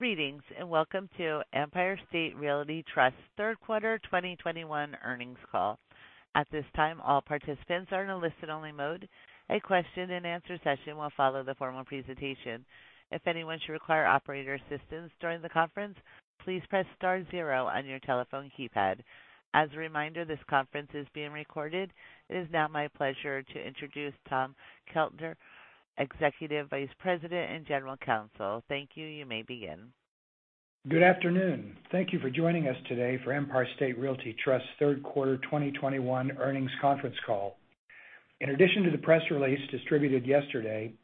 Greetings, and welcome to Empire State Realty Trust Q3 2021 earnings call. At this time, all participants are in a listen-only mode. A question-and-answer session will follow the formal presentation. If anyone should require operator assistance during the conference, please press star zero on your telephone keypad. As a reminder, this conference is being recorded. It is now my pleasure to introduce Tom Keltner, Executive Vice President and General Counsel. Thank you. You may begin. Good afternoon. Thank you for joining us today for Empire State Realty Trust Q3 2021 earnings conference call. In addition to the press release distributed yesterday,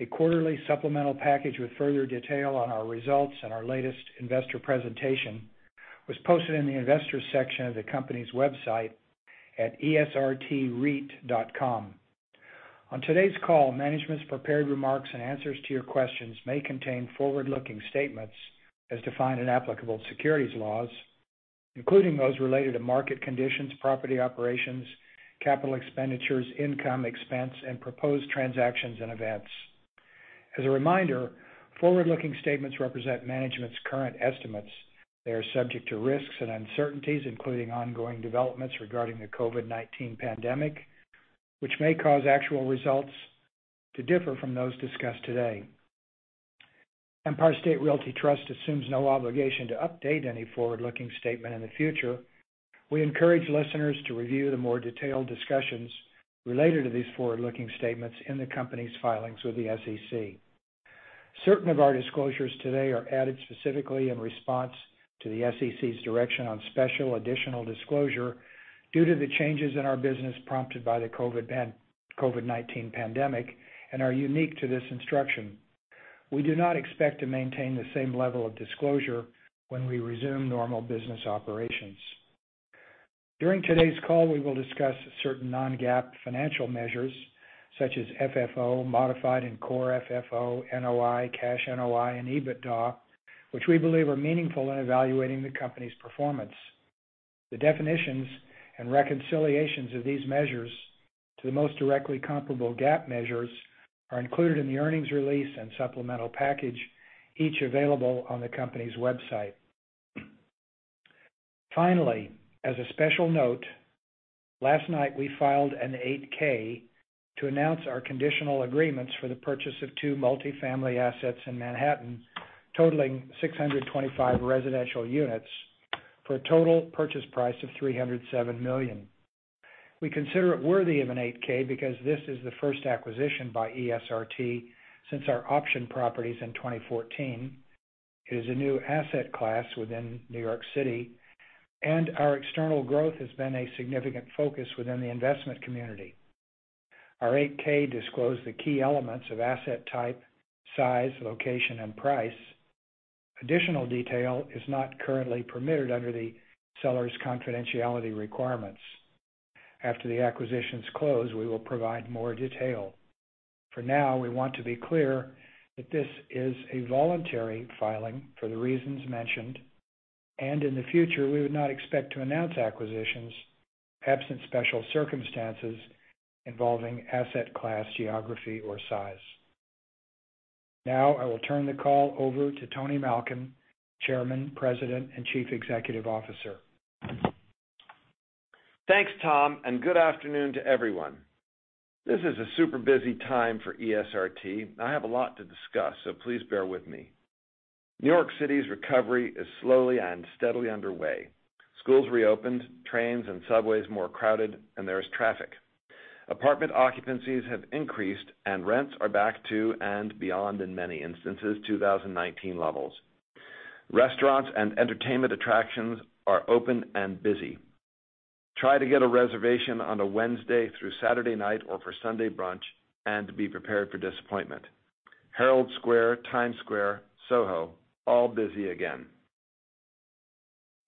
a quarterly supplemental package with further detail on our results and our latest investor presentation was posted in the investors section of the company's website at esrtreit.com. On today's call, management's prepared remarks and answers to your questions may contain forward-looking statements as defined in applicable securities laws, including those related to market conditions, property operations, capital expenditures, income, expense, and proposed transactions and events. As a reminder, forward-looking statements represent management's current estimates. They are subject to risks and uncertainties, including ongoing developments regarding the COVID-19 pandemic, which may cause actual results to differ from those discussed today. Empire State Realty Trust assumes no obligation to update any forward-looking statement in the future. We encourage listeners to review the more detailed discussions related to these forward-looking statements in the company's filings with the SEC. Certain of our disclosures today are added specifically in response to the SEC's direction on special additional disclosure due to the changes in our business prompted by the COVID-19 pandemic and are unique to this instruction. We do not expect to maintain the same level of disclosure when we resume normal business operations. During today's call, we will discuss certain non-GAAP financial measures such as FFO, modified and core FFO, NOI, cash NOI, and EBITDA, which we believe are meaningful in evaluating the company's performance. The definitions and reconciliations of these measures to the most directly comparable GAAP measures are included in the earnings release and supplemental package, each available on the company's website. Finally, as a special note, last night we filed an eight-K to announce our conditional agreements for the purchase of two multi-family assets in Manhattan, totaling 625 residential units for a total purchase price of $307 million. We consider it worthy of an eight-K because this is the first acquisition by ESRT since our option properties in 2014. It is a new asset class within New York City, and our external growth has been a significant focus within the investment community. Our eight-K disclosed the key elements of asset type, size, location, and price. Additional detail is not currently permitted under the seller's confidentiality requirements. After the acquisitions close, we will provide more detail. For now, we want to be clear that this is a voluntary filing for the reasons mentioned, and in the future, we would not expect to announce acquisitions absent special circumstances involving asset class, geography, or size. Now I will turn the call over to Tony Malkin, Chairman, President, and Chief Executive Officer. Thanks, Tom, and good afternoon to everyone. This is a super busy time for ESRT. I have a lot to discuss, so please bear with me. New York City's recovery is slowly and steadily underway. Schools reopened, trains and subways more crowded, and there is traffic. Apartment occupancies have increased, and rents are back to and beyond, in many instances, 2019 levels. Restaurants and entertainment attractions are open and busy. Try to get a reservation on a Wednesday through Saturday night or for Sunday brunch and be prepared for disappointment. Herald Square, Times Square, Soho, all busy again.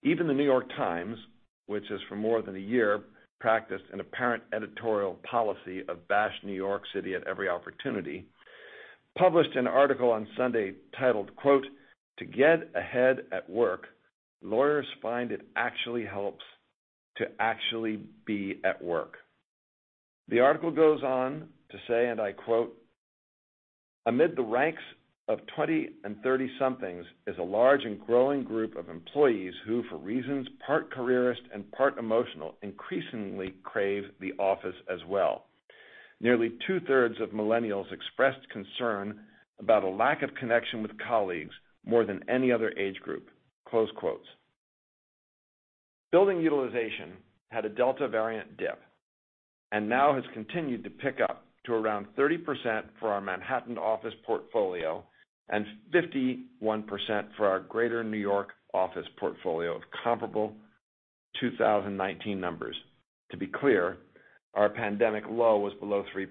Even The New York Times, which has for more than a year practiced an apparent editorial policy of bashing New York City at every opportunity, published an article on Sunday titled, quote, "To get ahead at work, lawyers find it actually helps to actually be at work." The article goes on to say, and I quote, "Amid the ranks of twenty- and thirty-somethings is a large and growing group of employees who, for reasons part careerist and part emotional, increasingly crave the office as well. Nearly two-thirds of millennials expressed concern about a lack of connection with colleagues more than any other age group." Close quotes. Building utilization had a Delta variant dip and now has continued to pick up to around 30% for our Manhattan office portfolio and 51% for our Greater New York office portfolio of comparable 2019 numbers. To be clear, our pandemic low was below 3%.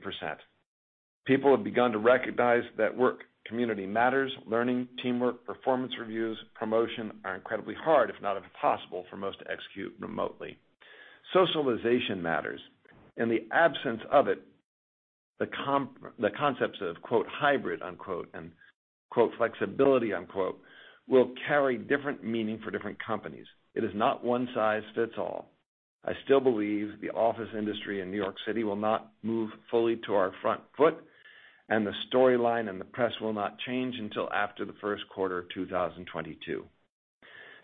People have begun to recognize that work community matters. Learning, teamwork, performance reviews, promotion are incredibly hard, if not impossible, for most to execute remotely. Socialization matters. In the absence of it, the concepts of, quote, hybrid, unquote, and, quote, flexibility, unquote, will carry different meaning for different companies. It is not one size fits all. I still believe the office industry in New York City will not move fully to our front foot, and the storyline and the press will not change until after the Q1 of 2022.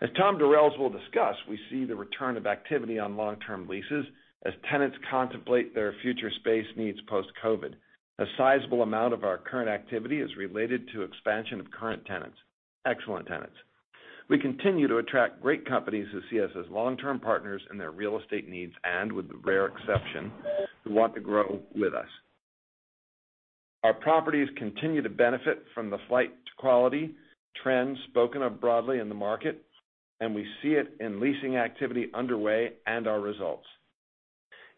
As Tom Durrell will discuss, we see the return of activity on long-term leases as tenants contemplate their future space needs post COVID-19. A sizable amount of our current activity is related to expansion of current tenants. Excellent tenants. We continue to attract great companies who see us as long term partners in their real estate needs, and with the rare exception, who want to grow with us. Our properties continue to benefit from the flight to quality trends spoken of broadly in the market, and we see it in leasing activity underway and our results.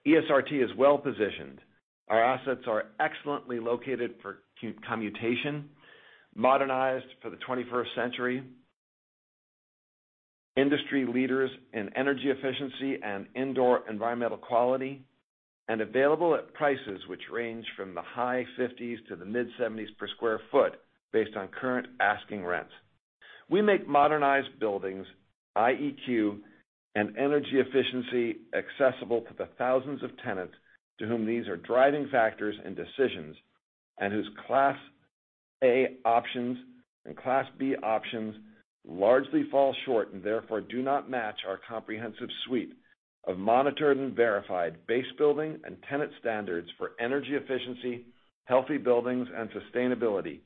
ESRT is well positioned. Our assets are excellently located for commutation, modernized for the 21st century, industry leaders in energy efficiency and indoor environmental quality, and available at prices which range from the high $50s to the mid-$70s per sq ft based on current asking rents. We make modernized buildings IEQ and energy efficiency accessible to the thousands of tenants to whom these are driving factors in decisions, and whose class A options and class B options largely fall short and therefore do not match our comprehensive suite of monitored and verified base building and tenant standards for energy efficiency, healthy buildings and sustainability,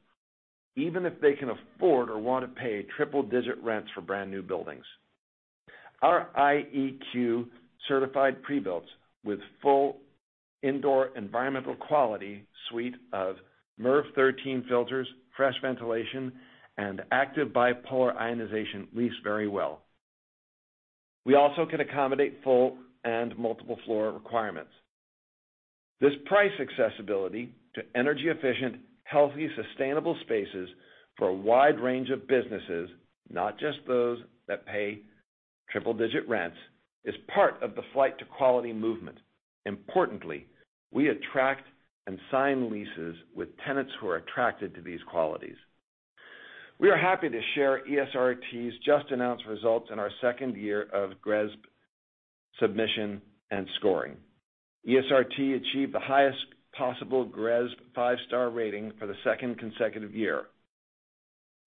even if they can afford or want to pay triple digit rents for brand new buildings. Our IEQ certified pre-builts with full indoor environmental quality suite of MERV 13 filters, fresh ventilation and active bipolar ionization lease very well. We also can accommodate full and multiple floor requirements. This price accessibility to energy efficient, healthy, sustainable spaces for a wide range of businesses, not just those that pay triple digit rents, is part of the flight to quality movement. Importantly, we attract and sign leases with tenants who are attracted to these qualities. We are happy to share ESRT's just announced results in our second year of GRESB submission and scoring. ESRT achieved the highest possible GRESB five-star rating for the second consecutive year.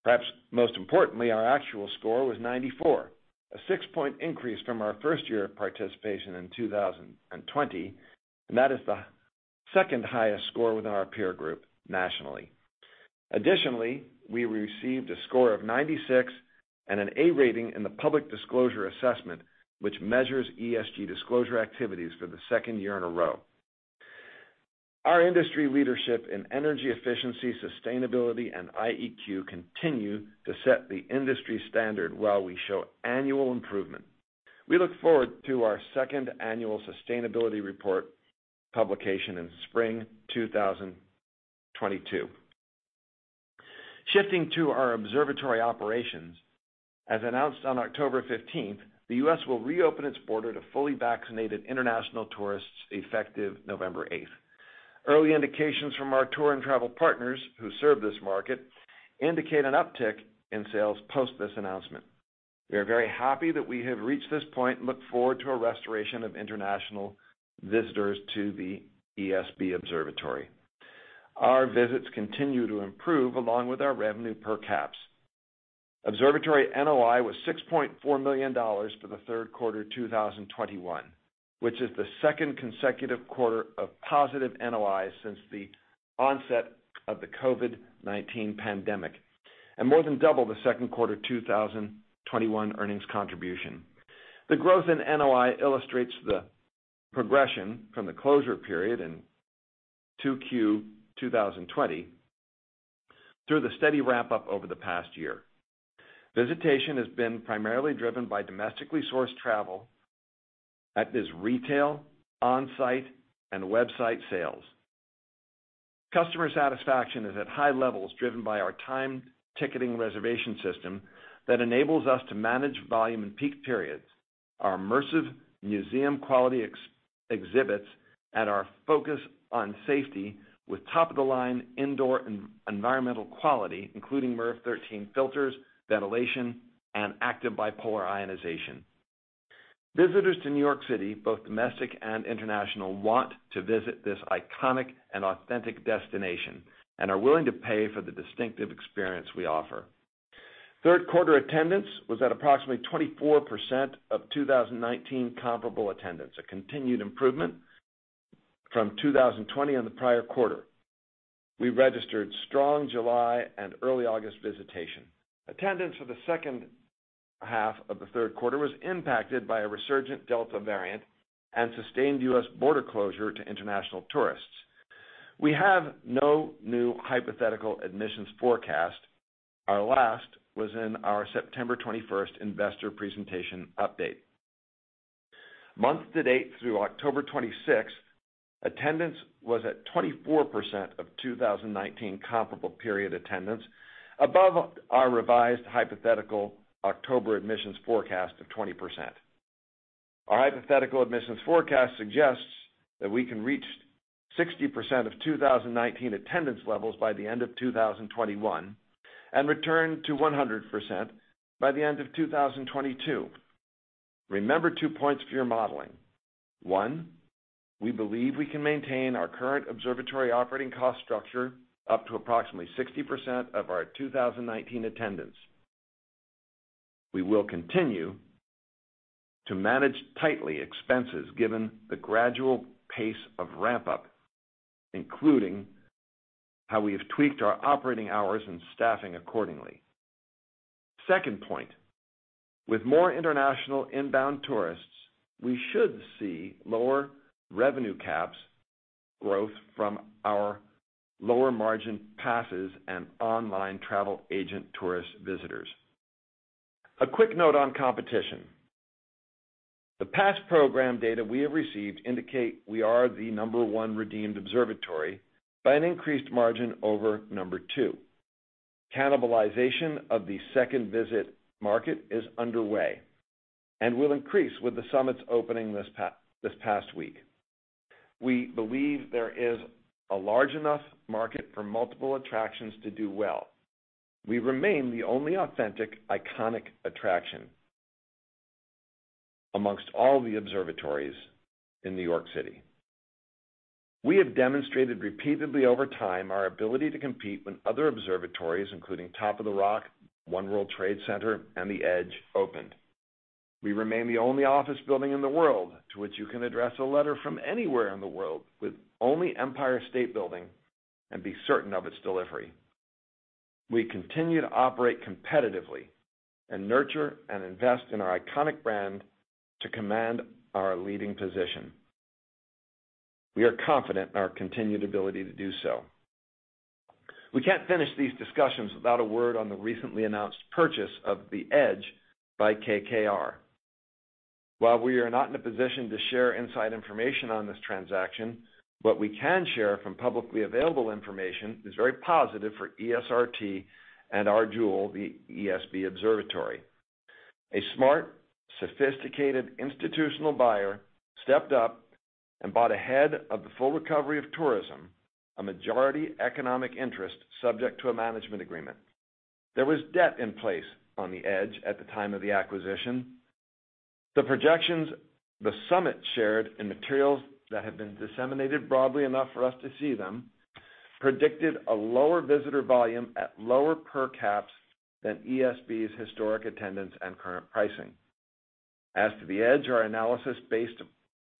Perhaps most importantly, our actual score was 94, a six-point increase from our first year of participation in 2020, and that is the second highest score within our peer group nationally. Additionally, we received a score of 96 and an A rating in the public disclosure assessment, which measures ESG disclosure activities for the second year in a row. Our industry leadership in energy efficiency, sustainability and IEQ continue to set the industry standard while we show annual improvement. We look forward to our second annual sustainability report publication in Spring 2022. Shifting to our observatory operations. As announced on October fifteenth, the U.S. will reopen its border to fully vaccinated international tourists effective November eighth. Early indications from our tour and travel partners who serve this market indicate an uptick in sales post this announcement. We are very happy that we have reached this point and look forward to a restoration of international visitors to the ESB Observatory. Our visits continue to improve along with our revenue per cap. Observatory NOI was $6.4 million for the Q3 2021, which is the second consecutive quarter of positive NOI since the onset of the COVID-19 pandemic, and more than double the Q2 2021 earnings contribution. The growth in NOI illustrates the progression from the closure period in 2Q 2020 through the steady ramp up over the past year. Visitation has been primarily driven by domestically sourced travel at this retail, on-site and website sales. Customer satisfaction is at high levels, driven by our timed ticketing reservation system that enables us to manage volume in peak periods, our immersive, museum-quality exhibits and our focus on safety with top-of-the-line indoor environmental quality, including MERV 13 filters, ventilation and active bipolar ionization. Visitors to New York City, both domestic and international, want to visit this iconic and authentic destination and are willing to pay for the distinctive experience we offer. Q3 attendance was at approximately 24% of 2019 comparable attendance, a continued improvement from 2020 on the prior quarter. We registered strong July and early August visitation. Attendance for the second half of the Q3 was impacted by a resurgent Delta variant and sustained U.S. border closure to international tourists. We have no new hypothetical admissions forecast. Our last was in our September 21 investor presentation update. Month to date through October 26, attendance was at 24% of 2019 comparable period attendance, above our revised hypothetical October admissions forecast of 20%. Our hypothetical admissions forecast suggests that we can reach 60% of 2019 attendance levels by the end of 2021, and return to 100% by the end of 2022. Remember two points for your modeling. One, we believe we can maintain our current observatory operating cost structure up to approximately 60% of our 2019 attendance. We will continue to manage tightly expenses given the gradual pace of ramp up, including how we have tweaked our operating hours and staffing accordingly. Second point, with more international inbound tourists, we should see lower revenue per cap growth from our lower margin passes and online travel agent tourist visitors. A quick note on competition. The pass program data we have received indicate we are the number one redeemed observatory by an increased margin over number two. Cannibalization of the second visit market is underway and will increase with the SUMMIT's opening this past week. We believe there is a large enough market for multiple attractions to do well. We remain the only authentic, iconic attraction amongst all the observatories in New York City. We have demonstrated repeatedly over time our ability to compete when other observatories, including Top of the Rock, One World Trade Center, and The Edge opened. We remain the only office building in the world to which you can address a letter from anywhere in the world with only Empire State Building and be certain of its delivery. We continue to operate competitively and nurture and invest in our iconic brand to command our leading position. We are confident in our continued ability to do so. We can't finish these discussions without a word on the recently announced purchase of The Edge by KKR. While we are not in a position to share inside information on this transaction, what we can share from publicly available information is very positive for ESRT and our jewel, the ESB Observatory. A smart, sophisticated institutional buyer stepped up and bought ahead of the full recovery of tourism, a majority economic interest subject to a management agreement. There was debt in place on the Edge at the time of the acquisition. The projections the SUMMIT shared in materials that have been disseminated broadly enough for us to see them, predicted a lower visitor volume at lower per caps than ESB's historic attendance and current pricing. As to the Edge, our analysis based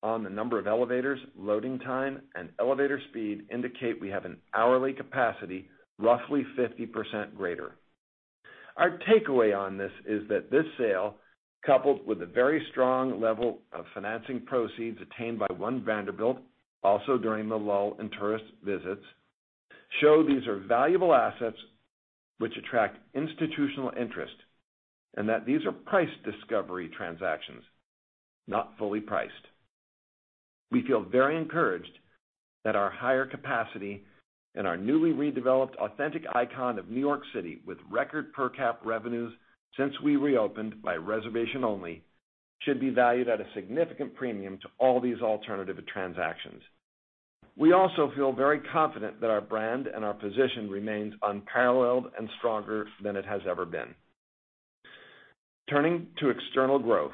on the number of elevators, loading time, and elevator speed indicate we have an hourly capacity roughly 50% greater. Our takeaway on this is that this sale, coupled with a very strong level of financing proceeds attained by One Vanderbilt, also during the lull in tourist visits, show these are valuable assets which attract institutional interest, and that these are price discovery transactions, not fully priced. We feel very encouraged that our higher capacity and our newly redeveloped authentic icon of New York City with record per cap revenues since we reopened by reservation only, should be valued at a significant premium to all these alternative transactions. We also feel very confident that our brand and our position remains unparalleled and stronger than it has ever been. Turning to external growth,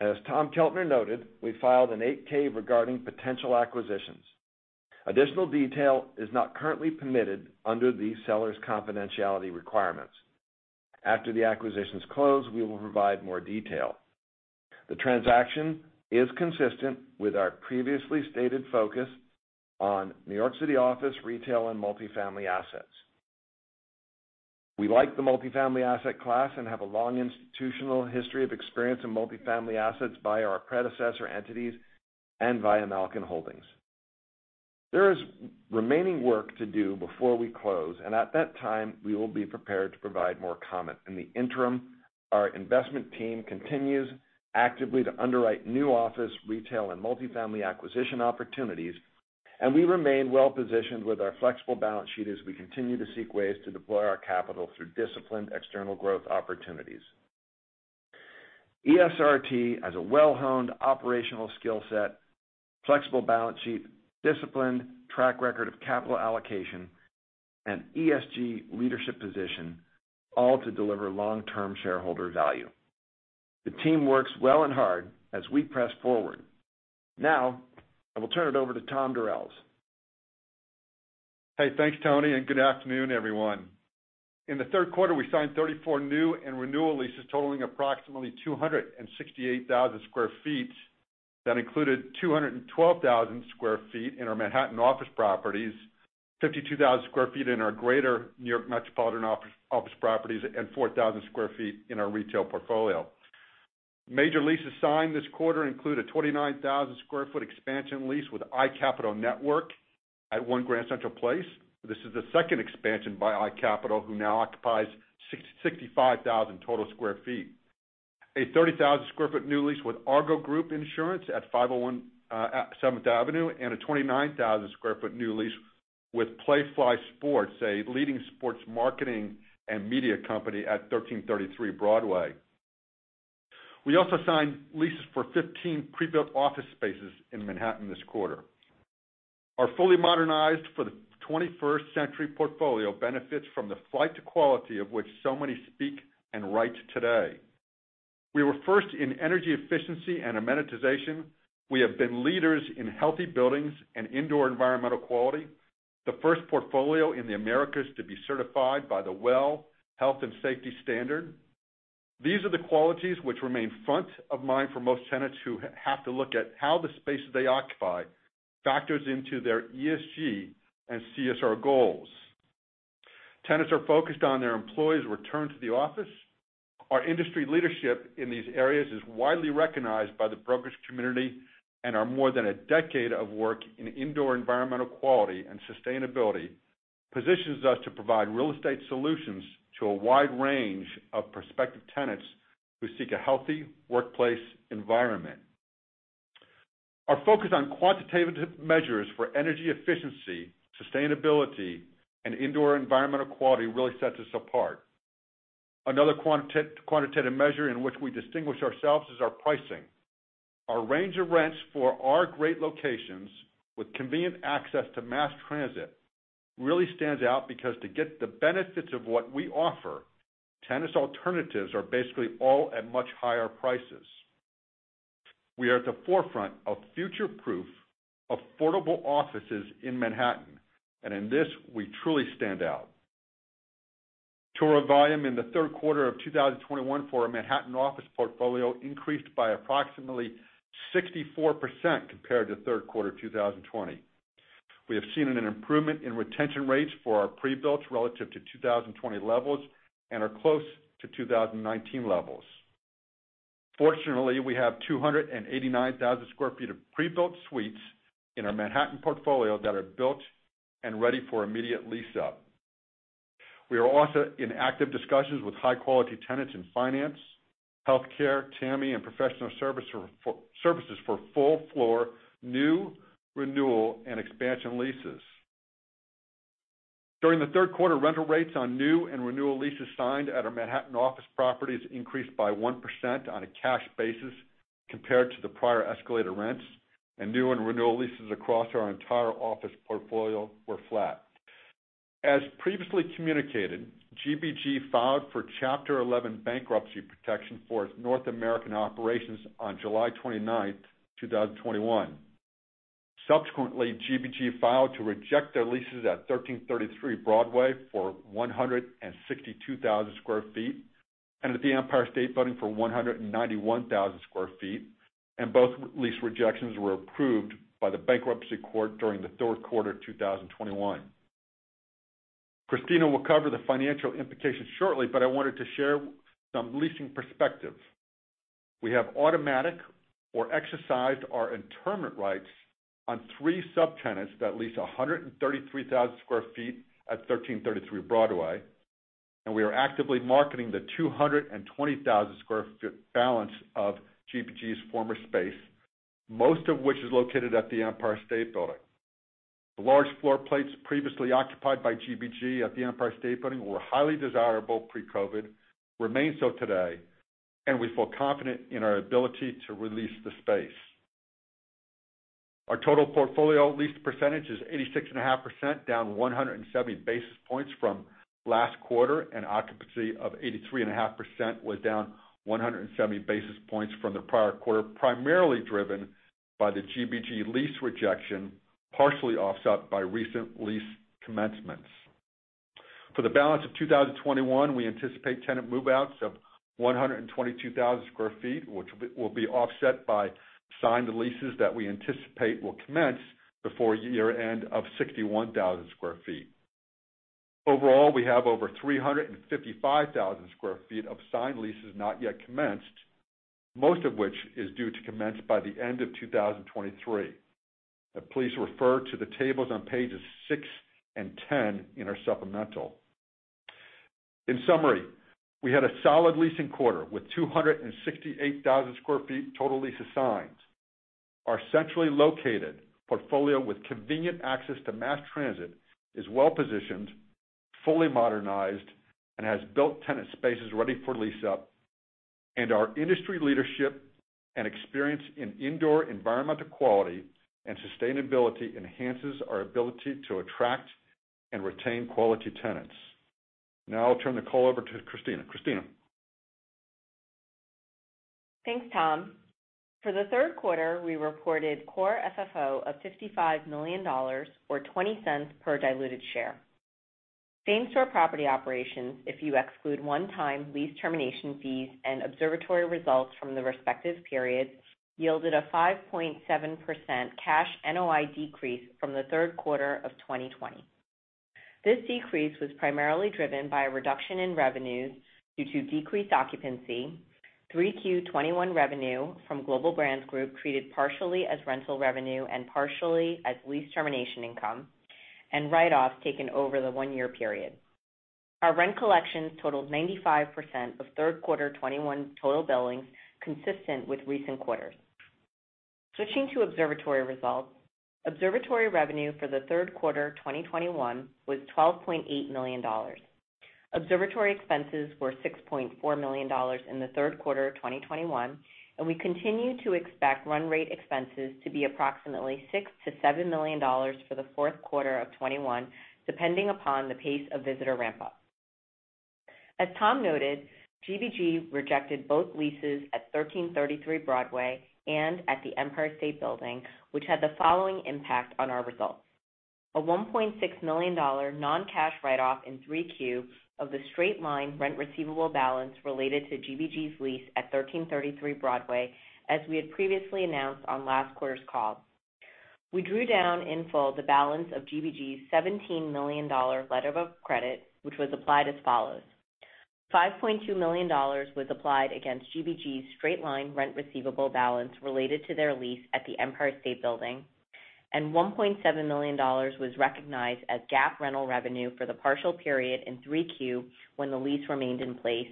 as Tom Keltner noted, we filed an 8-K regarding potential acquisitions. Additional detail is not currently permitted under the seller's confidentiality requirements. After the acquisitions close, we will provide more detail. The transaction is consistent with our previously stated focus on New York City office, retail, and multifamily assets. We like the multifamily asset class and have a long institutional history of experience in multifamily assets via our predecessor entities and via Malkin Holdings. There is remaining work to do before we close, and at that time, we will be prepared to provide more comment. In the interim, our investment team continues actively to underwrite new office, retail, and multifamily acquisition opportunities, and we remain well positioned with our flexible balance sheet as we continue to seek ways to deploy our capital through disciplined external growth opportunities. ESRT has a well-honed operational skill set, flexible balance sheet, disciplined track record of capital allocation, and ESG leadership position, all to deliver long-term shareholder value. The team works well and hard as we press forward. Now, I will turn it over to Tom Durels. Hey, thanks, Tony, and good afternoon, everyone. In the Q3, we signed 34 new and renewal leases totaling approximately 268,000 sq ft. That included 212,000 sq ft in our Manhattan office properties, 52,000 sq ft in our Greater New York Metropolitan office properties, and 4,000 sq ft in our retail portfolio. Major leases signed this quarter include a 29,000 sq ft expansion lease with iCapital Network at One Grand Central Place. This is the second expansion by iCapital, who now occupies 65,000 sq ft total. A 30,000 sq ft new lease with Argo Group at 501 Seventh Avenue, and a 29,000 sq ft new lease with Playfly Sports, a leading sports marketing and media company at 1,333 Broadway. We also signed leases for 15 pre-built office spaces in Manhattan this quarter. Our fully modernized for the 21st century portfolio benefits from the flight to quality of which so many speak and write today. We were first in energy efficiency and amenitization. We have been leaders in healthy buildings and indoor environmental quality, the first portfolio in the Americas to be certified by the WELL Health-Safety standard. These are the qualities which remain front of mind for most tenants who have to look at how the space they occupy factors into their ESG and CSR goals. Tenants are focused on their employees' return to the office. Our industry leadership in these areas is widely recognized by the brokerage community, and our more than a decade of work in indoor environmental quality and sustainability positions us to provide real estate solutions to a wide range of prospective tenants who seek a healthy workplace environment. Our focus on quantitative measures for energy efficiency, sustainability and indoor environmental quality really sets us apart. Another quantitative measure in which we distinguish ourselves is our pricing. Our range of rents for our great locations with convenient access to mass transit really stands out because to get the benefits of what we offer, tenants' alternatives are basically all at much higher prices. We are at the forefront of future-proof, affordable offices in Manhattan, and in this we truly stand out. Tour volume in the Q3 of 2021 for our Manhattan office portfolio increased by approximately 64% compared to Q3 2020. We have seen an improvement in retention rates for our pre-built relative to 2020 levels and are close to 2019 levels. Fortunately, we have 289,000 sq ft of pre-built suites in our Manhattan portfolio that are built and ready for immediate lease up. We are also in active discussions with high quality tenants in finance, healthcare, TAMI, and professional services for full floor new renewal and expansion leases. During the Q3, rental rates on new and renewal leases signed at our Manhattan office properties increased by 1% on a cash basis compared to the prior escalator rents, and new and renewal leases across our entire office portfolio were flat. As previously communicated, GBG filed for Chapter 11 bankruptcy protection for its North American operations on July 29, 2021. Subsequently, GBG filed to reject their leases at 1333 Broadway for 162,000 sq ft, and at the Empire State Building for 191,000 sq ft, and both lease rejections were approved by the bankruptcy court during the Q3 2021. Christina will cover the financial implications shortly, but I wanted to share some leasing perspective. We have automatically exercised our inurement rights on three subtenants that lease 133,000 sq ft at 1333 Broadway, and we are actively marketing the 220,000 sq ft balance of GBG's former space, most of which is located at the Empire State Building. The large floor plates previously occupied by GBG at the Empire State Building were highly desirable pre-COVID, remain so today, and we feel confident in our ability to re-lease the space. Our total portfolio lease percentage is 86.5%, down 170 basis points from last quarter, and occupancy of 83.5% was down 170 basis points from the prior quarter, primarily driven by the GBG lease rejection, partially offset by recent lease commencements. For the balance of 2021, we anticipate tenant move-outs of 122,000 sq ft, which will be offset by signed leases that we anticipate will commence before year-end of 61,000 sq ft. Overall, we have over 355,000 sq ft of signed leases not yet commenced, most of which is due to commence by the end of 2023. Please refer to the tables on pages six and ten in our supplemental. In summary, we had a solid leasing quarter with 268,000 sq ft total leases signed. Our centrally located portfolio with convenient access to mass transit is well positioned, fully modernized, and has built tenant spaces ready for lease up. Our industry leadership and experience in indoor environmental quality and sustainability enhances our ability to attract and retain quality tenants. Now I'll turn the call over to Christina. Christina? Thanks, Tom. For the Q3, we reported core FFO of $55 million or $0.20 per diluted share. Same-store property operations, if you exclude one-time lease termination fees and observatory results from the respective periods, yielded a 5.7% cash NOI decrease from the Q3 of 2020. This decrease was primarily driven by a reduction in revenues due to decreased occupancy, 3Q 2021 revenue from Global Brands Group treated partially as rental revenue and partially as lease termination income, and write-offs taken over the one-year period. Our rent collections totaled 95% of Q3 2021 total billings, consistent with recent quarters. Switching to Observatory results. Observatory revenue for the Q3 2021 was $12.8 million. Observatory expenses were $6.4 million in the Q3 of 2021, and we continue to expect run rate expenses to be approximately $6 million-$7 million for the Q4 of 2021, depending upon the pace of visitor ramp up. As Tom noted, GBG rejected both leases at 1333 Broadway and at the Empire State Building, which had the following impact on our results. A $1.6 million non-cash write-off in 3Q of the straight-line rent receivable balance related to GBG's lease at 1333 Broadway, as we had previously announced on last quarter's call. We drew down in full the balance of GBG's $17 million letter of credit, which was applied as follows. $5.2 million was applied against GBG's straight-line rent receivable balance related to their lease at the Empire State Building, and $1.7 million was recognized as GAAP rental revenue for the partial period in 3Q when the lease remained in place,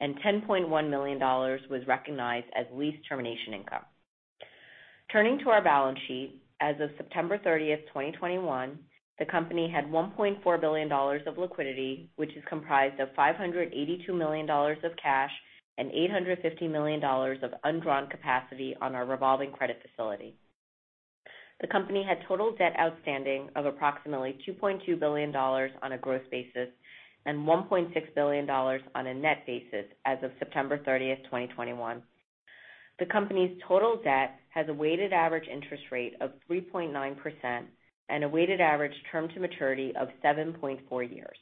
and $10.1 million was recognized as lease termination income. Turning to our balance sheet. As of September 30, 2021, the company had $1.4 billion of liquidity, which is comprised of $582 million of cash and $850 million of undrawn capacity on our revolving credit facility. The company had total debt outstanding of approximately $2.2 billion on a gross basis and $1.6 billion on a net basis as of September 30, 2021. The company's total debt has a weighted average interest rate of 3.9% and a weighted average term to maturity of 7.4 Years.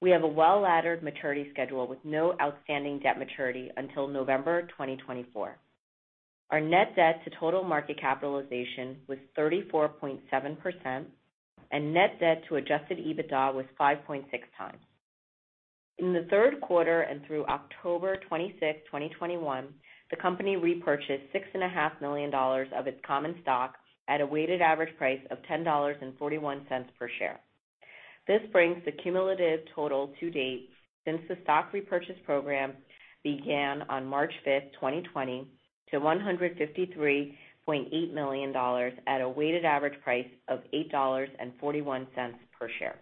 We have a well-laddered maturity schedule with no outstanding debt maturity until November 2024. Our net debt to total market capitalization was 34.7%, and net debt to adjusted EBITDA was 5.6 times. In the Q3 and through October 26, 2021, the company repurchased $6.5 million of its common stock at a weighted average price of $10.41 per share. This brings the cumulative total to date since the stock repurchase program began on March 5, 2020, to $153.8 million at a weighted average price of $8.41 per share.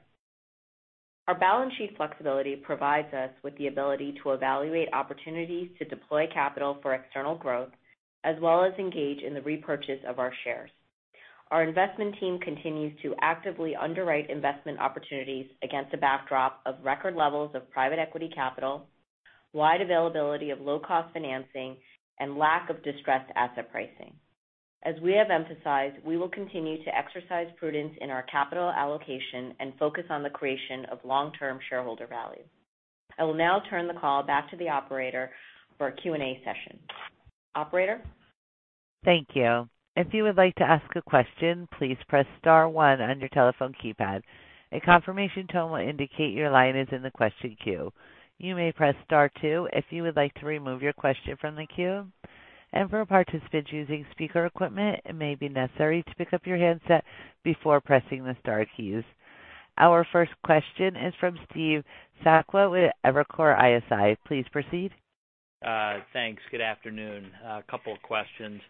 Our balance sheet flexibility provides us with the ability to evaluate opportunities to deploy capital for external growth as well as engage in the repurchase of our shares. Our investment team continues to actively underwrite investment opportunities against a backdrop of record levels of private equity capital, wide availability of low cost financing, and lack of distressed asset pricing. As we have emphasized, we will continue to exercise prudence in our capital allocation and focus on the creation of long-term shareholder value. I will now turn the call back to the operator for a Q&A session. Operator? Our first question is from Steve Sakwa with Evercore ISI. Please proceed. Thanks. Good afternoon. A couple of questions.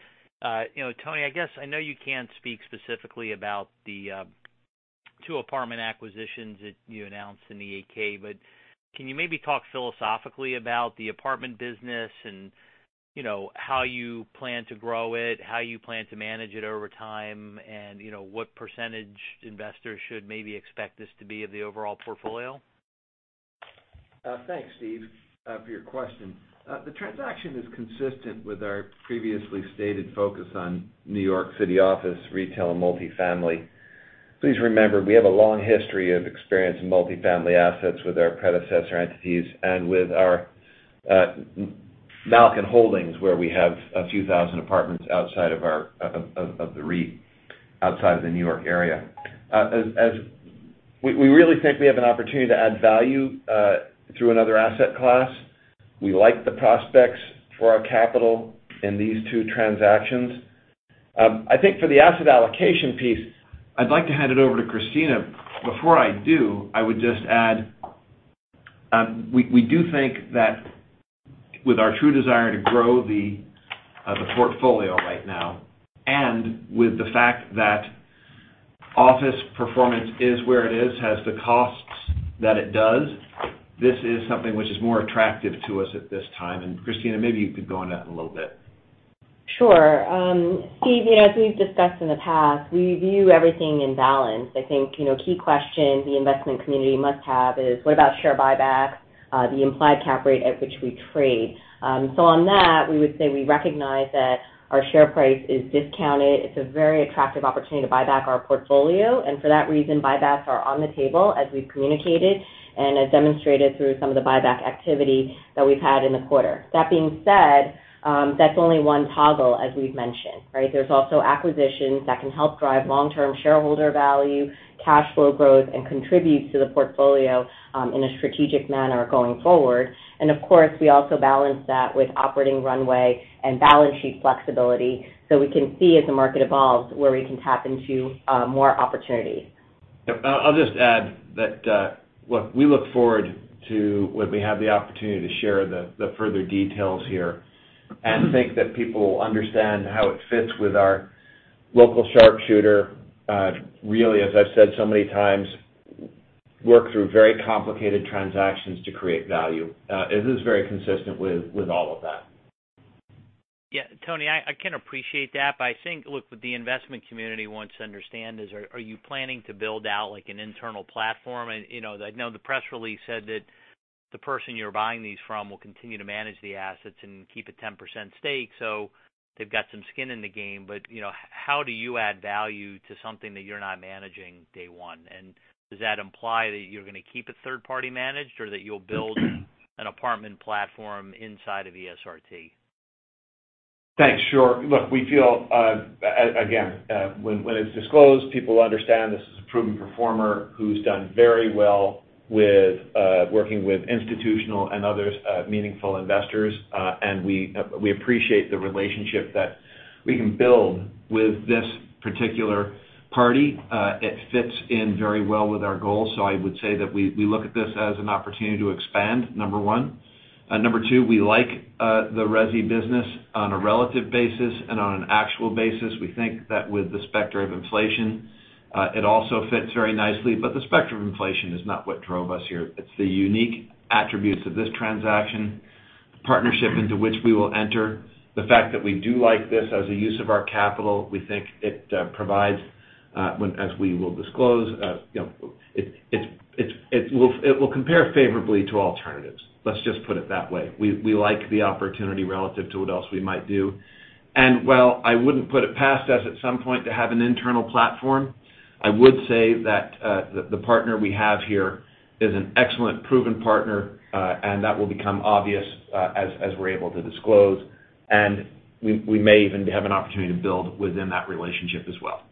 You know, Tony, I guess I know you can't speak specifically about the two apartment acquisitions that you announced in the 8-K, but can you maybe talk philosophically about the apartment business and, you know, how you plan to grow it, how you plan to manage it over time, and, you know, what percentage investors should maybe expect this to be of the overall portfolio? Thanks, Steve, for your question. The transaction is consistent with our previously stated focus on New York City office, retail, and multifamily. Please remember, we have a long history of experience in multifamily assets with our predecessor entities and with our Malkin Holdings, where we have a few thousand apartments outside of our REIT outside of the New York area. We really think we have an opportunity to add value through another asset class. We like the prospects for our capital in these two transactions. I think for the asset allocation piece, I'd like to hand it over to Christina. Before I do, I would just add, we do think that with our true desire to grow the portfolio right now and with the fact that office performance is where it is, has the costs that it does, this is something which is more attractive to us at this time. Christina, maybe you could go on that a little bit. Sure. Steve, you know, as we've discussed in the past, we view everything in balance. I think, you know, key question the investment community must have is what about share buybacks, the implied cap rate at which we trade. On that, we would say we recognize that our share price is discounted. It's a very attractive opportunity to buy back our portfolio. For that reason, buybacks are on the table as we've communicated and as demonstrated through some of the buyback activity that we've had in the quarter. That being said, that's only one toggle, as we've mentioned, right? There's also acquisitions that can help drive long-term shareholder value, cash flow growth, and contributes to the portfolio, in a strategic manner going forward. Of course, we also balance that with operating runway and balance sheet flexibility, so we can see as the market evolves where we can tap into more opportunities. Yep. I'll just add that, look, we look forward to when we have the opportunity to share the further details here, and think that people will understand how it fits with our local sharpshooter. Really, as I've said so many times, work through very complicated transactions to create value. It is very consistent with all of that. Yeah. Tony, I can appreciate that. I think, look, what the investment community wants to understand is, are you planning to build out like an internal platform? You know, I know the press release said that the person you're buying these from will continue to manage the assets and keep a 10% stake, so they've got some skin in the game. You know, how do you add value to something that you're not managing day one? Does that imply that you're gonna keep it third party managed or that you'll build an apartment platform inside of ESRT? Thanks. Sure. Look, we feel, and again, when it's disclosed, people understand this is a proven performer who's done very well with working with institutional and other meaningful investors. We appreciate the relationship that we can build with this particular party. It fits in very well with our goals. I would say that we look at this as an opportunity to expand, number one. Number two, we like the resi business on a relative basis and on an actual basis. We think that with the specter of inflation, it also fits very nicely. But the specter of inflation is not what drove us here. It's the unique attributes of this transaction, the partnership into which we will enter, the fact that we do like this as a use of our capital. We think it provides, as we will disclose, you know, it will compare favorably to alternatives. Let's just put it that way. We like the opportunity relative to what else we might do. While I wouldn't put it past us at some point to have an internal platform, I would say that the partner we have here is an excellent proven partner, and that will become obvious as we're able to disclose. We may even have an opportunity to build within that relationship as well.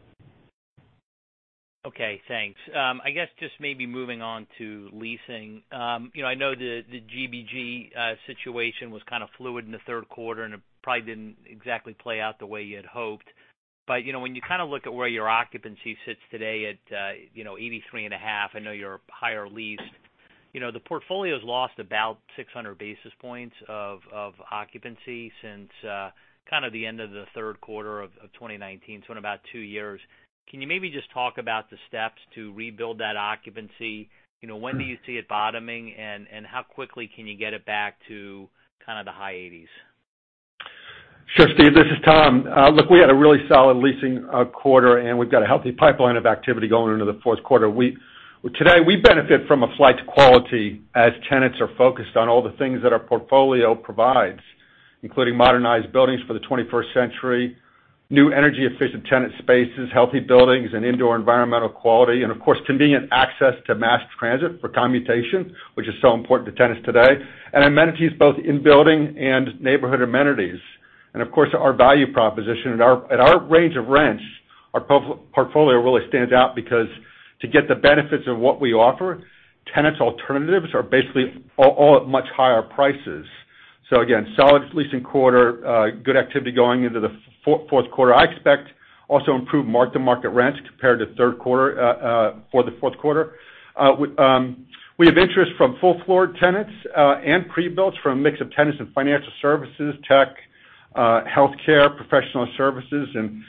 Okay, thanks. I guess just maybe moving on to leasing. You know, I know the GBG situation was kind of fluid in the Q3, and it probably didn't exactly play out the way you had hoped. You know, when you kind of look at where your occupancy sits today at 83.5%, I know you're higher leased. You know, the portfolio's lost about 600 basis points of occupancy since kind of the end of the Q3 of 2019, so in about two years. Can you maybe just talk about the steps to rebuild that occupancy? You know, when do you see it bottoming, and how quickly can you get it back to kind of the high 80s? Sure, Steve, this is Tom. Look, we had a really solid leasing quarter, and we've got a healthy pipeline of activity going into the Q4. Today, we benefit from a flight to quality as tenants are focused on all the things that our portfolio provides, including modernized buildings for the 21st century, new energy-efficient tenant spaces, healthy buildings, and indoor environmental quality, and of course, convenient access to mass transit for commutation, which is so important to tenants today, and amenities both in building and neighborhood amenities. Of course, our value proposition at our range of rents, our portfolio really stands out because to get the benefits of what we offer, tenant alternatives are basically all at much higher prices. Again, solid leasing quarter. Good activity going into the Q4. I expect also improved mark-to-market rents compared to Q3 for the Q4. We have interest from full floor tenants and pre-builts from a mix of tenants in financial services, tech, healthcare, professional services, and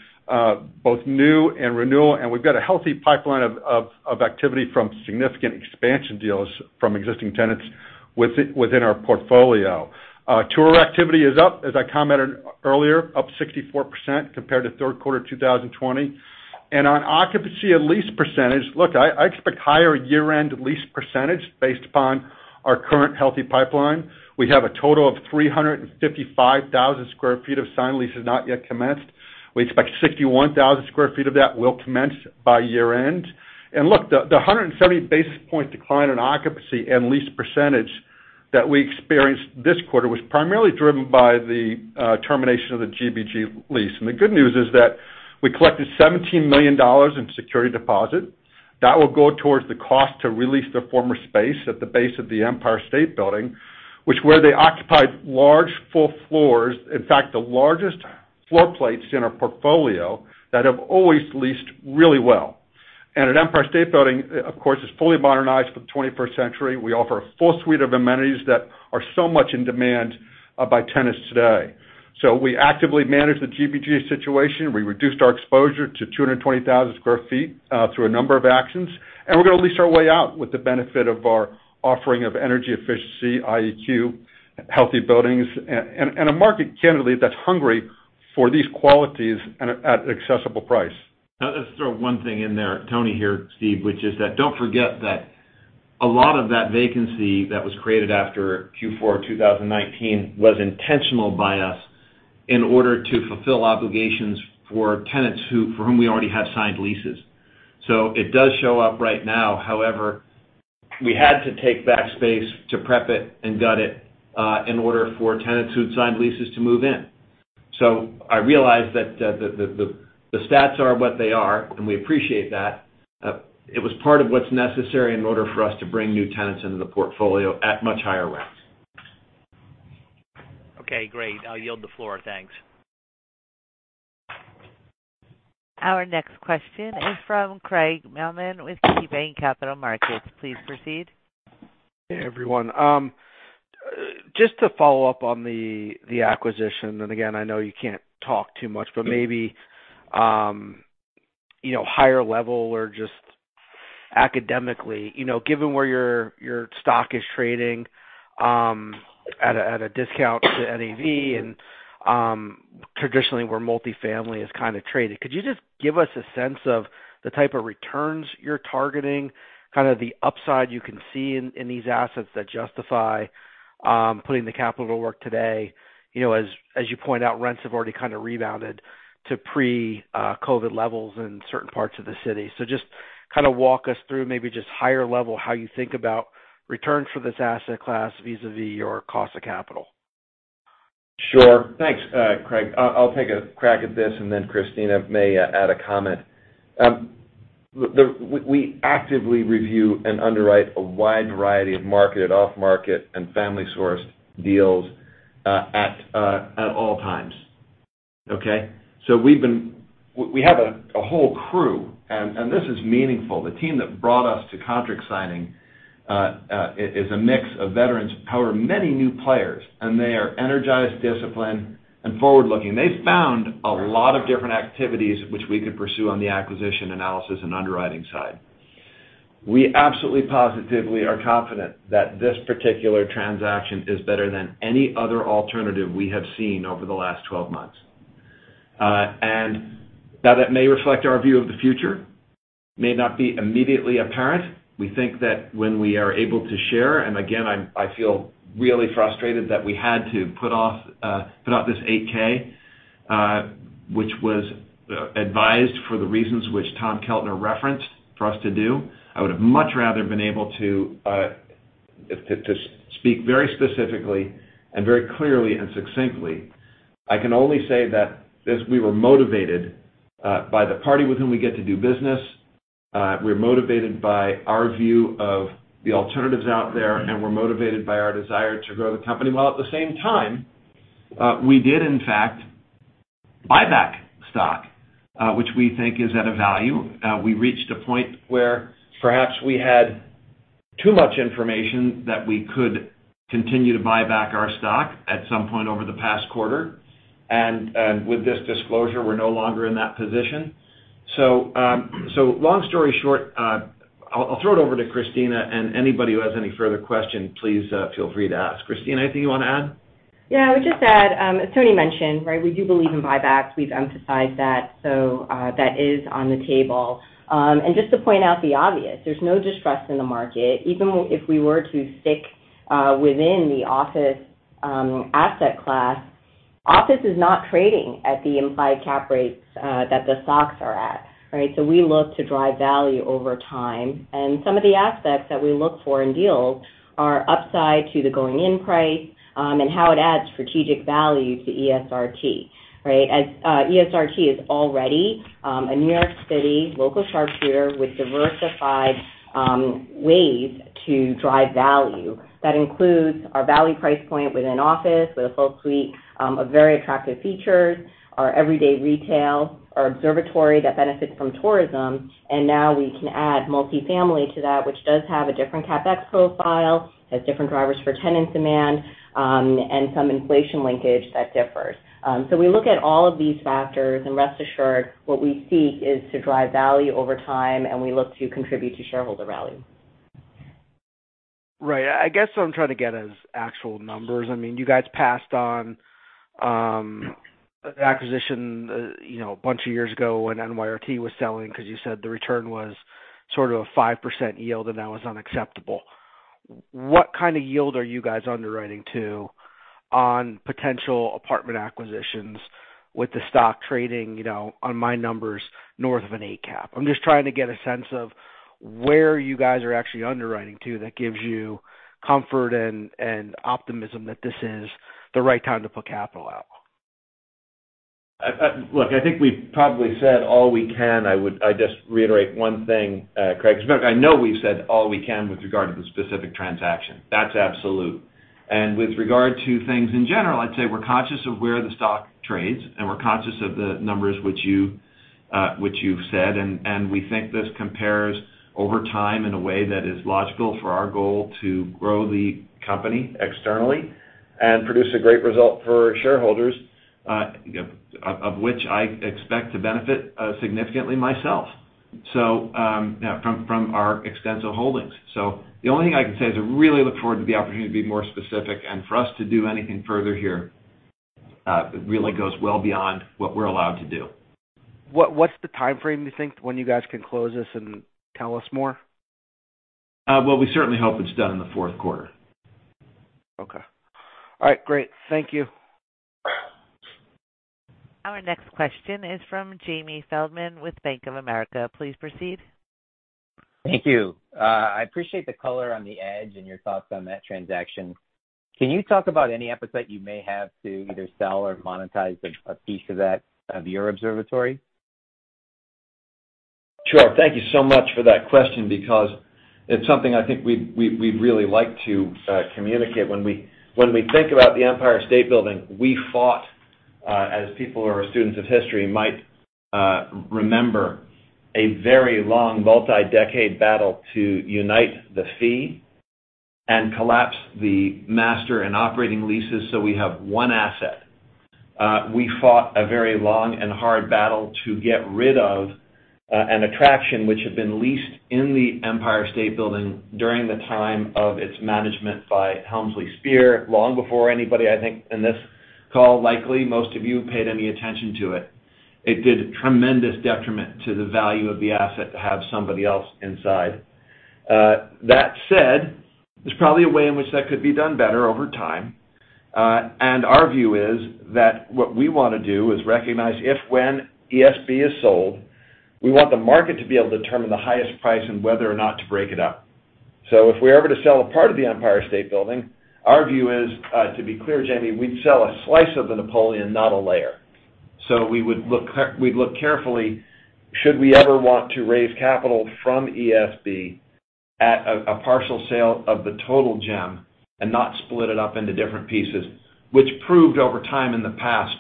both new and renewal. We've got a healthy pipeline of activity from significant expansion deals from existing tenants within our portfolio. Tour activity is up, as I commented earlier, up 64% compared to Q3 2020. On occupancy and lease percentage, look, I expect higher year-end lease percentage based upon our current healthy pipeline. We have a total of 355,000 sq ft of signed leases not yet commenced. We expect 61,000 sq ft of that will commence by year-end. Look, the 170 basis point decline in occupancy and lease percentage that we experienced this quarter was primarily driven by the termination of the GBG lease. The good news is that we collected $17 million in security deposit. That will go towards the cost to re-lease their former space at the base of the Empire State Building, where they occupied large full floors, in fact, the largest floor plates in our portfolio that have always leased really well. At Empire State Building, of course, it's fully modernized for the 21st century. We offer a full suite of amenities that are so much in demand by tenants today. We actively managed the GBG situation. We reduced our exposure to 220,000 sq ft through a number of actions. We're gonna lease our way out with the benefit of our offering of energy efficiency, IEQ, healthy buildings, and a market, candidly, that's hungry for these qualities at accessible price. Now, let's throw one thing in there, Tony here, Steve, which is that don't forget that a lot of that vacancy that was created after Q4 of 2019 was intentional by us in order to fulfill obligations for tenants for whom we already had signed leases. So it does show up right now. However, we had to take back space to prep it and gut it in order for tenants who'd signed leases to move in. So I realize that the stats are what they are, and we appreciate that. It was part of what's necessary in order for us to bring new tenants into the portfolio at much higher rents. Okay, great. I'll yield the floor. Thanks. Our next question is from Craig Mailman with KeyBanc Capital Markets. Please proceed. Hey, everyone. Just to follow up on the acquisition, and again, I know you can't talk too much, but maybe, you know, higher level or just academically, you know, given where your stock is trading, at a discount to NAV and, traditionally, where multifamily is kinda traded. Could you just give us a sense of the type of returns you're targeting, kinda the upside you can see in these assets that justify putting the capital to work today? You know, as you point out, rents have already kinda rebounded to pre-COVID levels in certain parts of the city. Just kinda walk us through maybe just higher level, how you think about returns for this asset class vis-à-vis your cost of capital. Sure. Thanks, Craig. I'll take a crack at this, and then Christina may add a comment. We actively review and underwrite a wide variety of market and off market and family sourced deals at all times. Okay? We have a whole crew, and this is meaningful. The team that brought us to contract signing is a mix of veterans, however, many new players, and they are energized, disciplined, and forward-looking. They found a lot of different activities which we could pursue on the acquisition analysis and underwriting side. We absolutely positively are confident that this particular transaction is better than any other alternative we have seen over the last 12 months. Now that may reflect our view of the future, may not be immediately apparent. We think that when we are able to share, and again, I feel really frustrated that we had to put out this 8-K, which was advised for the reasons which Tom Keltner referenced for us to do. I would have much rather been able to speak very specifically and very clearly and succinctly. I can only say that as we were motivated by the party with whom we get to do business, we're motivated by our view of the alternatives out there, and we're motivated by our desire to grow the company, while at the same time, we did in fact buy back stock, which we think is at a value. We reached a point where perhaps we had too much information that we could continue to buy back our stock at some point over the past quarter. With this disclosure, we're no longer in that position. Long story short, I'll throw it over to Christina, and anybody who has any further question, please feel free to ask. Christina, anything you wanna add? Yeah. I would just add, as Tony mentioned, right, we do believe in buybacks. We've emphasized that, so that is on the table. Just to point out the obvious, there's no distrust in the market. Even if we were to stick within the office asset class, office is not trading at the implied cap rates that the stocks are at, right? We look to drive value over time. Some of the aspects that we look for in deals are upside to the going in price and how it adds strategic value to ESRT, right? ESRT is already a New York City local sharp shooter with diversified ways to drive value. That includes our value price point within office with a full suite of very attractive features, our everyday retail, our observatory that benefits from tourism, and now we can add multifamily to that, which does have a different CapEx profile, has different drivers for tenant demand, and some inflation linkage that differs. We look at all of these factors, and rest assured what we seek is to drive value over time, and we look to contribute to shareholder value. Right. I guess what I'm trying to get is actual numbers. I mean, you guys passed on acquisition, you know, a bunch of years ago when NYRT was selling because you said the return was sort of a 5% yield and that was unacceptable. What kind of yield are you guys underwriting to on potential apartment acquisitions with the stock trading, you know, on my numbers north of an eight cap? I'm just trying to get a sense of where you guys are actually underwriting to that gives you comfort and optimism that this is the right time to put capital out. Look, I think we've probably said all we can. I just reiterate one thing, Craig. As a matter, I know we've said all we can with regard to the specific transaction. That's absolute. With regard to things in general, I'd say we're conscious of where the stock trades, and we're conscious of the numbers which you've said. We think this compares over time in a way that is logical for our goal to grow the company externally and produce a great result for shareholders, of which I expect to benefit significantly myself from our extensive holdings. The only thing I can say is I really look forward to the opportunity to be more specific and for us to do anything further here really goes well beyond what we're allowed to do. What's the timeframe you think when you guys can close this and tell us more? Well, we certainly hope it's done in the Q4. Okay. All right, great. Thank you. Our next question is from Jamie Feldman with Bank of America. Please proceed. Thank you. I appreciate the color on the Edge and your thoughts on that transaction. Can you talk about any appetite you may have to either sell or monetize a piece of that, of your observatory? Sure. Thank you so much for that question because it's something I think we'd really like to communicate. When we think about the Empire State Building, we fought, as people who are students of history might remember, a very long multi-decade battle to unite the fee and collapse the master and operating leases so we have one asset. We fought a very long and hard battle to get rid of an attraction which had been leased in the Empire State Building during the time of its management by Helmsley Spear, long before anybody, I think, in this call, likely most of you, paid any attention to it. It did tremendous detriment to the value of the asset to have somebody else inside. That said, there's probably a way in which that could be done better over time. Our view is that what we wanna do is recognize if/when ESB is sold, we want the market to be able to determine the highest price and whether or not to break it up. If we're ever to sell a part of the Empire State Building, our view is, to be clear, Jamie, we'd sell a slice of the Napoleon, not a layer. We would look carefully should we ever want to raise capital from ESB at a partial sale of the total gem and not split it up into different pieces, which proved over time in the past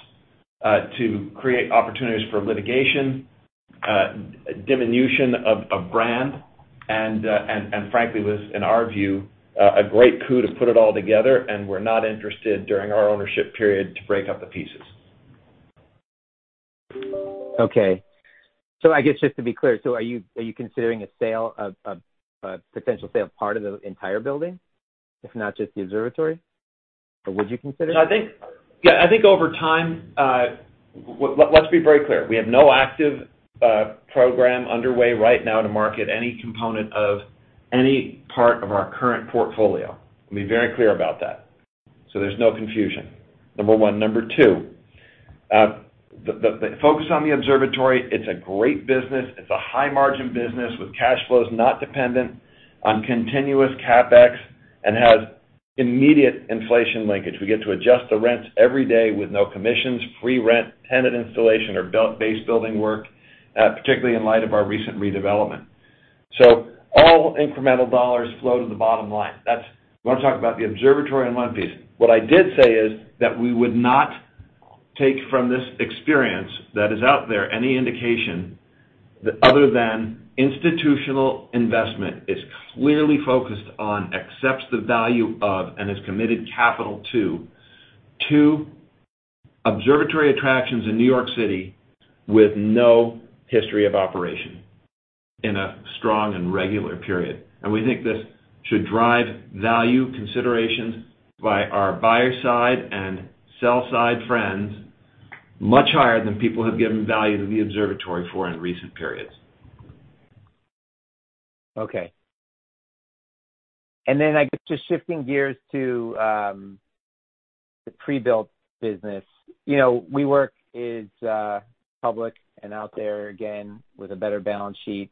to create opportunities for litigation, diminution of brand, and frankly was, in our view, a great coup to put it all together, and we're not interested during our ownership period to break up the pieces. Okay. I guess, just to be clear, are you considering a sale of a potential sale of part of the entire building, if not just the observatory, or would you consider it? I think over time, let's be very clear. We have no active program underway right now to market any component of any part of our current portfolio. Let me be very clear about that, so there's no confusion, number one. Number two, the focus on the observatory, it's a great business. It's a high margin business with cash flows not dependent on continuous CapEx and has immediate inflation linkage. We get to adjust the rents every day with no commissions, free rent, tenant installation or base building work, particularly in light of our recent redevelopment. All incremental dollars flow to the bottom line. That's if you wanna talk about the observatory in one piece. What I did say is that we would not take from this experience that is out there any indication that other than institutional investment is clearly focused on, accepts the value of, and is committed capital to two observatory attractions in New York City with no history of operation in a strong and regular period. We think this should drive value considerations by our buyer side and sell side friends much higher than people have given value to the observatory for in recent periods. Okay. I guess just shifting gears to the prebuilt business. You know, WeWork is public and out there again with a better balance sheet.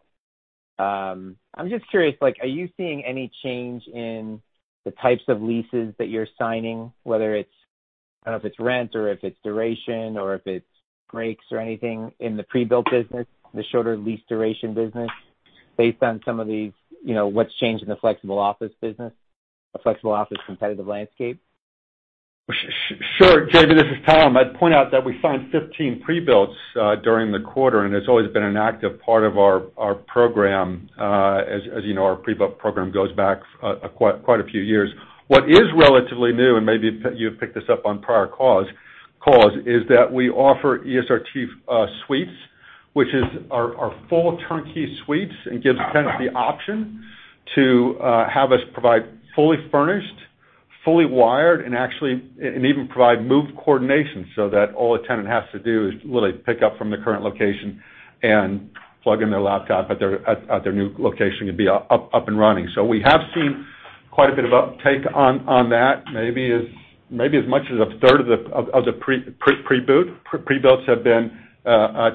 I'm just curious, like, are you seeing any change in the types of leases that you're signing, whether it's rent or if it's duration or if it's breaks or anything in the prebuilt business, the shorter lease duration business, based on some of these, you know, what's changed in the flexible office business or flexible office competitive landscape? Sure, Jamie. This is Tom. I'd point out that we signed 15 prebuilds during the quarter, and it's always been an active part of our program. As you know, our prebuilt program goes back quite a few years. What is relatively new, and maybe you picked this up on prior calls, is that we offer ESRT suites, which is our full turnkey suites and gives tenants the option to have us provide fully furnished, fully wired, and actually even provide move coordination so that all a tenant has to do is literally pick up from the current location and plug in their laptop at their new location and be up and running. We have seen quite a bit of uptake on that. Maybe as much as a third of the prebuilt prebuilds have been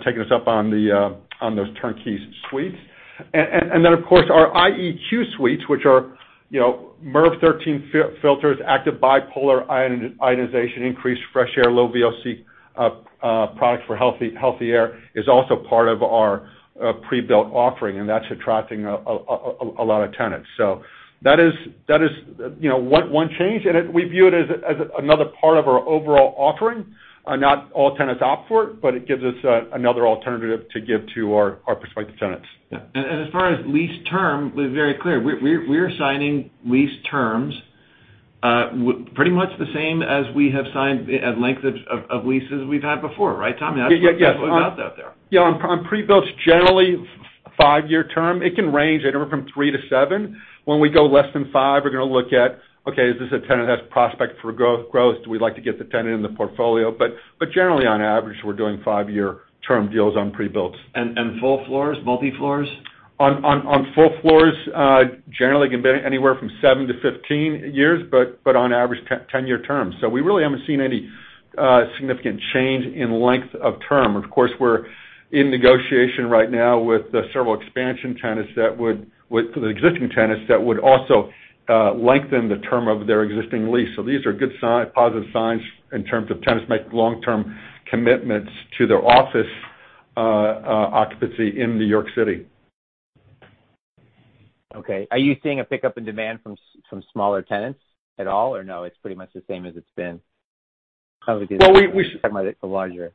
taking us up on those turnkey suites. Then of course our IEQ suites, which are, you know, MERV 13 filters, active bipolar ionization, increased fresh air, low VOC product for healthy air is also part of our prebuilt offering, and that's attracting a lot of tenants. That is one change. We view it as another part of our overall offering. Not all tenants opt for it, but it gives us another alternative to give to our prospective tenants. Yeah. As far as lease term, we're very clear. We're signing lease terms pretty much the same as we have signed as length of leases we've had before, right, Tom? That's- Yeah. Yeah. What we've got out there. Yeah, on prebuilds, generally five-year term. It can range anywhere from three-seven. When we go less than 5, we're gonna look at, okay, is this a tenant that has prospect for growth? Do we like to get the tenant in the portfolio? Generally on average, we're doing five-year term deals on prebuilds. full floors, multi floors? On full floors, generally can be anywhere from 7-15 years, but on average, 10-year terms. We really haven't seen any significant change in length of term. Of course, we're in negotiation right now with several expansion tenants with the existing tenants that would also lengthen the term of their existing lease. These are good sign, positive signs in terms of tenants making long-term commitments to their office occupancy in New York City. Okay. Are you seeing a pickup in demand from smaller tenants at all or no, it's pretty much the same as it's been? How would you- Well, we should. Talk about it for larger.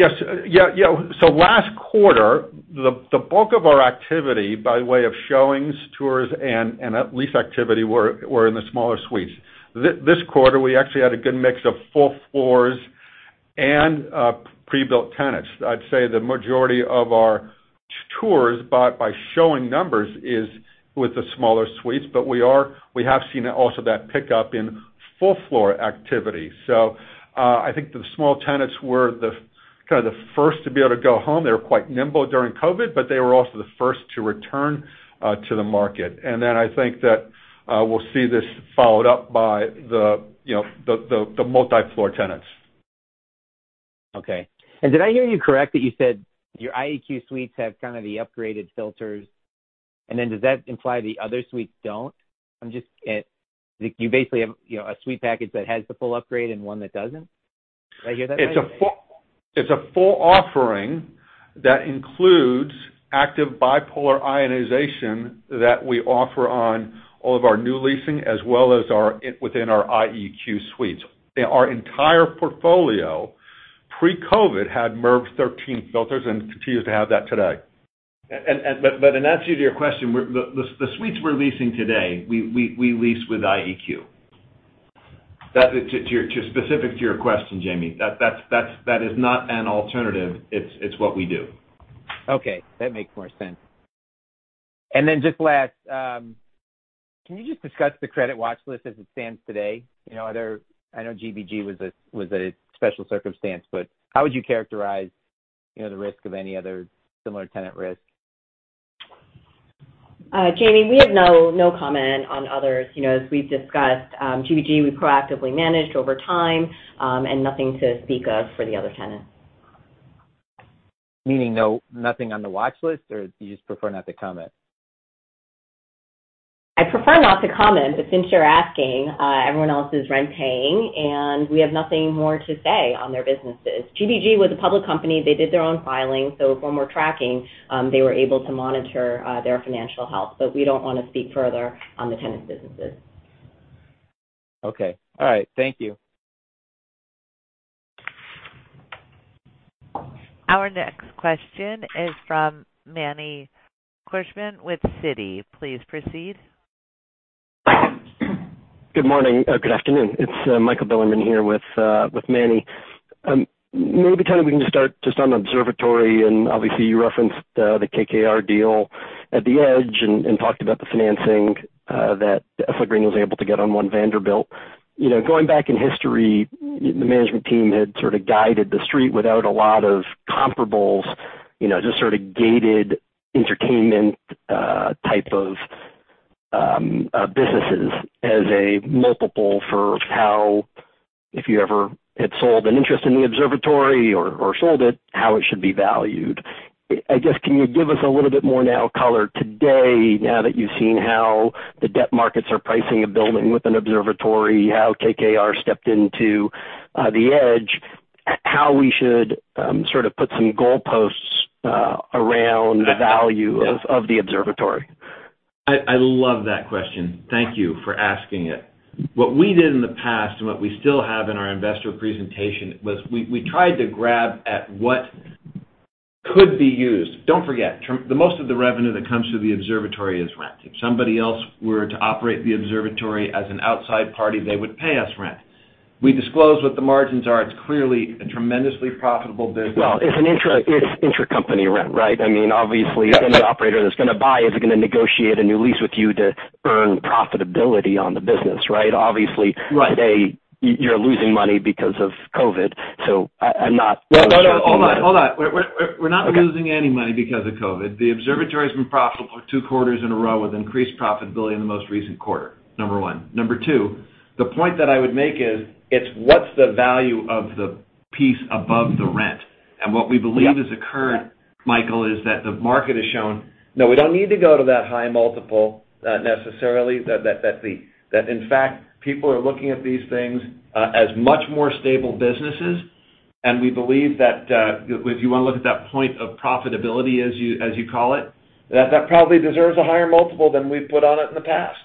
Yes. Yeah. Last quarter, the bulk of our activity by way of showings, tours, and lease activity were in the smaller suites. This quarter, we actually had a good mix of full floors and pre-built tenants. I'd say the majority of our tours, by showing numbers, is with the smaller suites. We have seen also that pickup in full floor activity. I think the small tenants were kind of the first to be able to go home. They were quite nimble during COVID, but they were also the first to return to the market. Then I think that we'll see this followed up by you know, the multi-floor tenants. Okay. Did I hear you correct that you said your IEQ suites have kind of the upgraded filters, and then does that imply the other suites don't? I'm just. You basically have, you know, a suite package that has the full upgrade and one that doesn't. Did I hear that right? It's a full offering that includes active bipolar ionization that we offer on all of our new leasing as well as within our IEQ suites. Our entire portfolio, pre-COVID, had MERV 13 filters and continues to have that today. In answer to your question, the suites we're leasing today, we lease with IEQ. That is specific to your question, Jamie. That is not an alternative. It's what we do. Okay. That makes more sense. Just last, can you just discuss the credit watch list as it stands today? Are there, I know GBG was a special circumstance, but how would you characterize the risk of any other similar tenant risk? Jamie, we have no comment on others. You know, as we've discussed, GBG, we proactively managed over time, and nothing to speak of for the other tenants. Meaning nothing on the watch list, or you just prefer not to comment? I prefer not to comment, but since you're asking, everyone else is rent-paying, and we have nothing more to say on their businesses. GBG was a public company. They did their own filing. When we're tracking, they were able to monitor their financial health, but we don't want to speak further on the tenants' businesses. Okay. All right. Thank you. Our next question is from Manny Korchman with Citi. Please proceed. Good morning. Good afternoon. It's Michael Bilerman here with Manny. Maybe, Kenny, we can just start just on Observatory, and obviously you referenced the KKR deal at the Edge and talked about the financing that SL Green was able to get on One Vanderbilt. You know, going back in history, the management team had sort of guided the Street without a lot of comparables, you know, just sort of gated entertainment type of businesses as a multiple for how, if you ever had sold an interest in the Observatory or sold it, how it should be valued. I guess, can you give us a little bit more color today, now that you've seen how the debt markets are pricing a building with an observatory, how KKR stepped into the Edge, how we should sort of put some goalposts around the value of the observatory? I love that question. Thank you for asking it. What we did in the past, and what we still have in our investor presentation was we tried to grab at what could be used. Don't forget, the most of the revenue that comes through the observatory is rent. If somebody else were to operate the observatory as an outside party, they would pay us rent. We disclose what the margins are. It's clearly a tremendously profitable business. Well, it's intracompany rent, right? I mean, obviously any operator that's gonna buy is gonna negotiate a new lease with you to earn profitability on the business, right? Obviously. Right. Today you're losing money because of COVID. I'm not- No, hold on. We're not losing any money because of COVID. The observatory has been profitable two quarters in a row with increased profitability in the most recent quarter, number one. Number two, the point that I would make is, it's what's the value of the piece above the rent? What we believe has occurred, Michael, is that the market has shown, no, we don't need to go to that high multiple, necessarily, that in fact, people are looking at these things as much more stable businesses. We believe that, if you want to look at that point of profitability as you call it, that probably deserves a higher multiple than we've put on it in the past.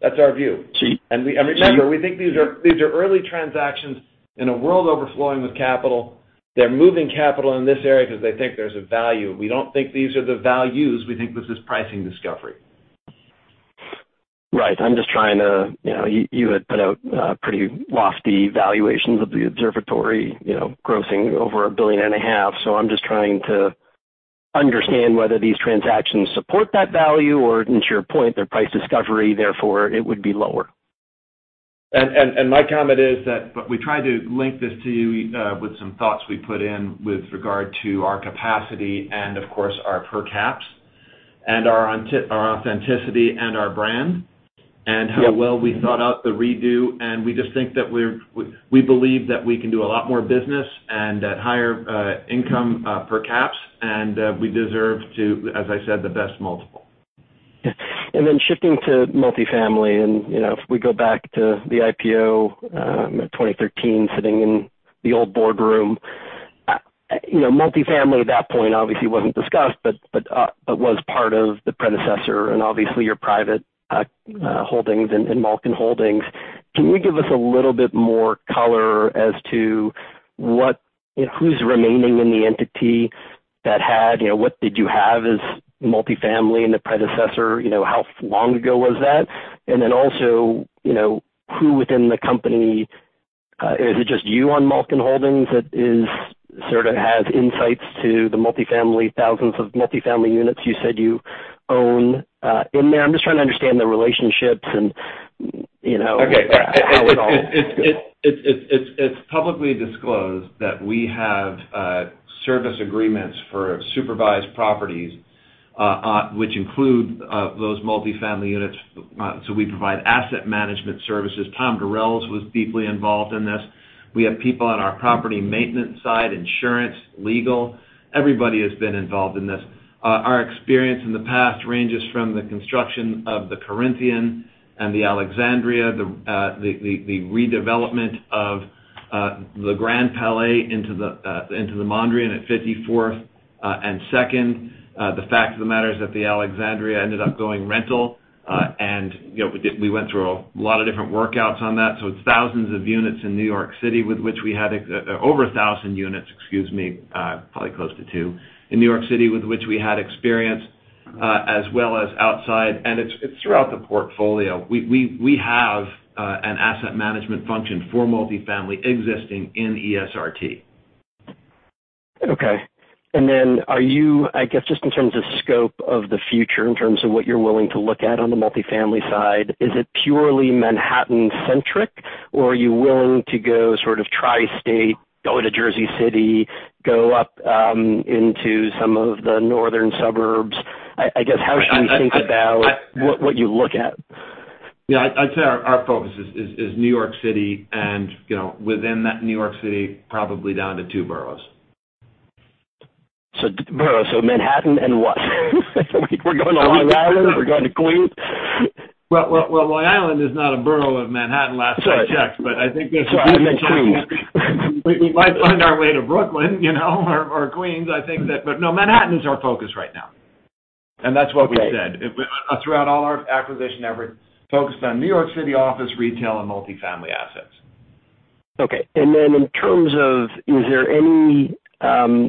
That's our view. Gee. Remember, we think these are early transactions in a world overflowing with capital. They're moving capital in this area because they think there's a value. We don't think these are the values. We think this is pricing discovery. Right. I'm just trying to you know, you had put out pretty lofty valuations of the observatory, you know, grossing over $1.5 billion. I'm just trying to understand whether these transactions support that value or to your point, they're price discovery, therefore it would be lower. My comment is that we try to link this to you with some thoughts we put in with regard to our capacity and of course, our per caps and our authenticity and our brand. Yeah. How well we thought out the redo. We just think that we believe that we can do a lot more business and at higher income per caps, and we deserve to, as I said, the best multiple. Shifting to multifamily. You know, if we go back to the IPO in 2013 sitting in the old boardroom. You know, multifamily at that point obviously wasn't discussed, but was part of the predecessor and obviously your private holdings in Malkin Holdings. Can you give us a little bit more color as to what? Who's remaining in the entity that had, you know, what did you have as multifamily in the predecessor? You know, how long ago was that? Then also, you know, who within the company is it just you on Malkin Holdings that is sort of has insights to the multifamily, thousands of multifamily units you said you own in there? I'm just trying to understand the relationships and, you know- Okay. how it all fits. It's publicly disclosed that we have service agreements for supervised properties, which include those multifamily units. We provide asset management services. Tom Durels was deeply involved in this. We have people on our property maintenance side, insurance, legal. Everybody has been involved in this. Our experience in the past ranges from the construction of the Corinthian and the Alexandria, the redevelopment of Le Grand Palais into the Mondrian at Fifty-fourth and Second. The fact of the matter is that the Alexandria ended up going rental, and, you know, we went through a lot of different workouts on that. It's thousands of units in New York City with which we had... Probably close to 2,000 in New York City, with which we had experience, as well as outside. It's throughout the portfolio. We have an asset management function for multifamily existing in ESRT. Okay. Are you I guess just in terms of scope of the future, in terms of what you're willing to look at on the multifamily side, is it purely Manhattan-centric, or are you willing to go sort of tri-state, go to Jersey City, go up into some of the northern suburbs? I guess how should we think about what you look at? Yeah. I'd say our focus is New York City and, you know, within that New York City, probably down to two boroughs. Two boroughs. Manhattan and what? We're going to Long Island? We're going to Queens? Well, well, well, Long Island is not a borough of Manhattan last I checked. Sorry. I think there's. We went Queens. We might find our way to Brooklyn, you know, or Queens, I think. No, Manhattan is our focus right now. That's what we said. Okay. Throughout all our acquisition effort, focused on New York City office, retail, and multifamily assets. Okay. In terms of. Is there any?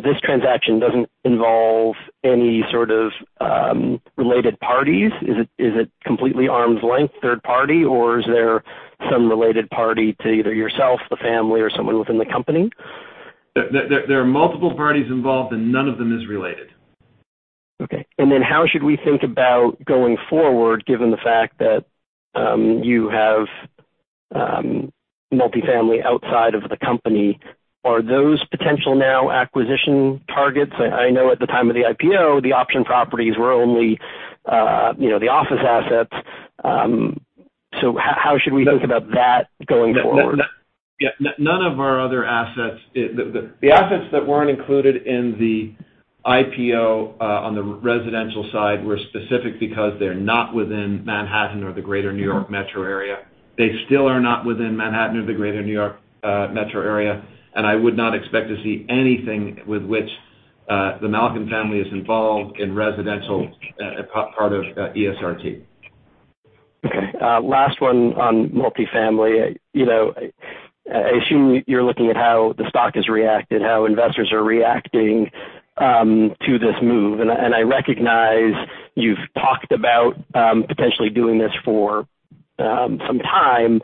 This transaction doesn't involve any sort of related parties? Is it completely arm's length, third party, or is there some related party to either yourself, the family, or someone within the company? There are multiple parties involved, and none of them is related. Okay. Then how should we think about going forward, given the fact that you have multifamily outside of the company, are those potential now acquisition targets? I know at the time of the IPO, the option properties were only you know, the office assets. So how should we think about that going forward? Yeah. None of our other assets. The assets that weren't included in the IPO on the residential side were specific because they're not within Manhattan or the Greater New York metro area. They still are not within Manhattan or the Greater New York metro area, and I would not expect to see anything with which the Malkin family is involved in residential part of ESRT. Okay. Last one on multifamily. You know, I assume you're looking at how the stock has reacted, how investors are reacting, to this move. I recognize you've talked about potentially doing this for some time,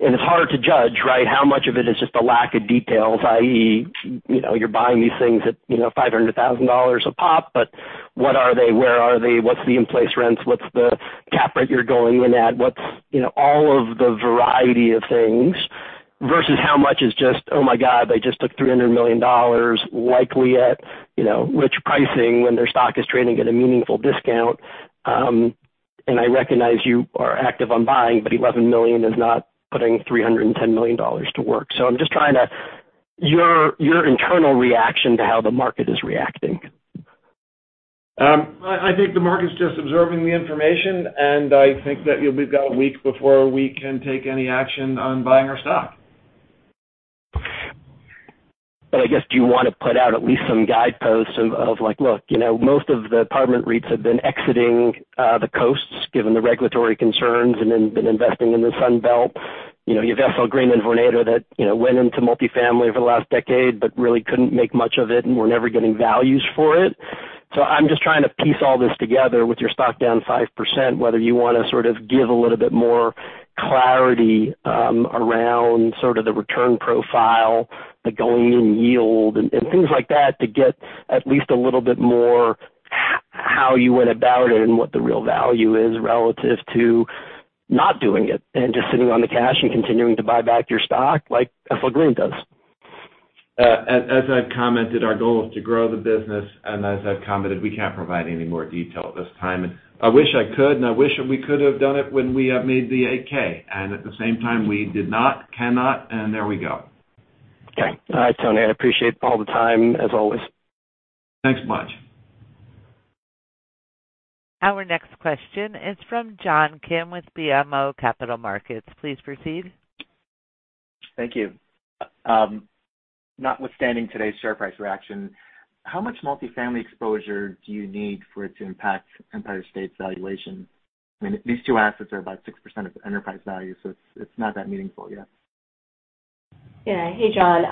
and it's hard to judge, right? How much of it is just a lack of details, i.e., you know, you're buying these things at $500,000 a pop, but what are they? Where are they? What's the in-place rents? What's the cap rate you're going in at? What's all of the variety of things versus how much is just, oh my god, they just took $300 million, likely at rich pricing when their stock is trading at a meaningful discount. I recognize you are active on buying, but $11 million is not putting $310 million to work. I'm just trying to get your internal reaction to how the market is reacting. I think the market's just observing the information, and I think that we've got a week before we can take any action on buying our stock. I guess, do you wanna put out at least some guideposts of like, look, you know, most of the apartment REITs have been exiting the coasts, given the regulatory concerns and then been investing in the Sun Belt. You know, you have SL Green and Vornado that, you know, went into multifamily over the last decade but really couldn't make much of it and were never getting values for it. I'm just trying to piece all this together with your stock down 5%, whether you wanna sort of give a little bit more clarity around sort of the return profile, the going-in yield, and things like that to get at least a little bit more how you went about it and what the real value is relative to not doing it and just sitting on the cash and continuing to buy back your stock like SL Green does. As I've commented, our goal is to grow the business, and as I've commented, we can't provide any more detail at this time. I wish I could, and I wish we could have done it when we made the 8-K. At the same time, we did not, cannot, and there we go. Okay. All right, Tony. I appreciate all the time as always. Thanks much. Our next question is from John Kim with BMO Capital Markets. Please proceed. Thank you. Notwithstanding today's share price reaction, how much multifamily exposure do you need for it to impact Empire State's valuation? I mean, these two assets are about 6% of enterprise value, so it's not that meaningful yet. Yeah. Hey, John.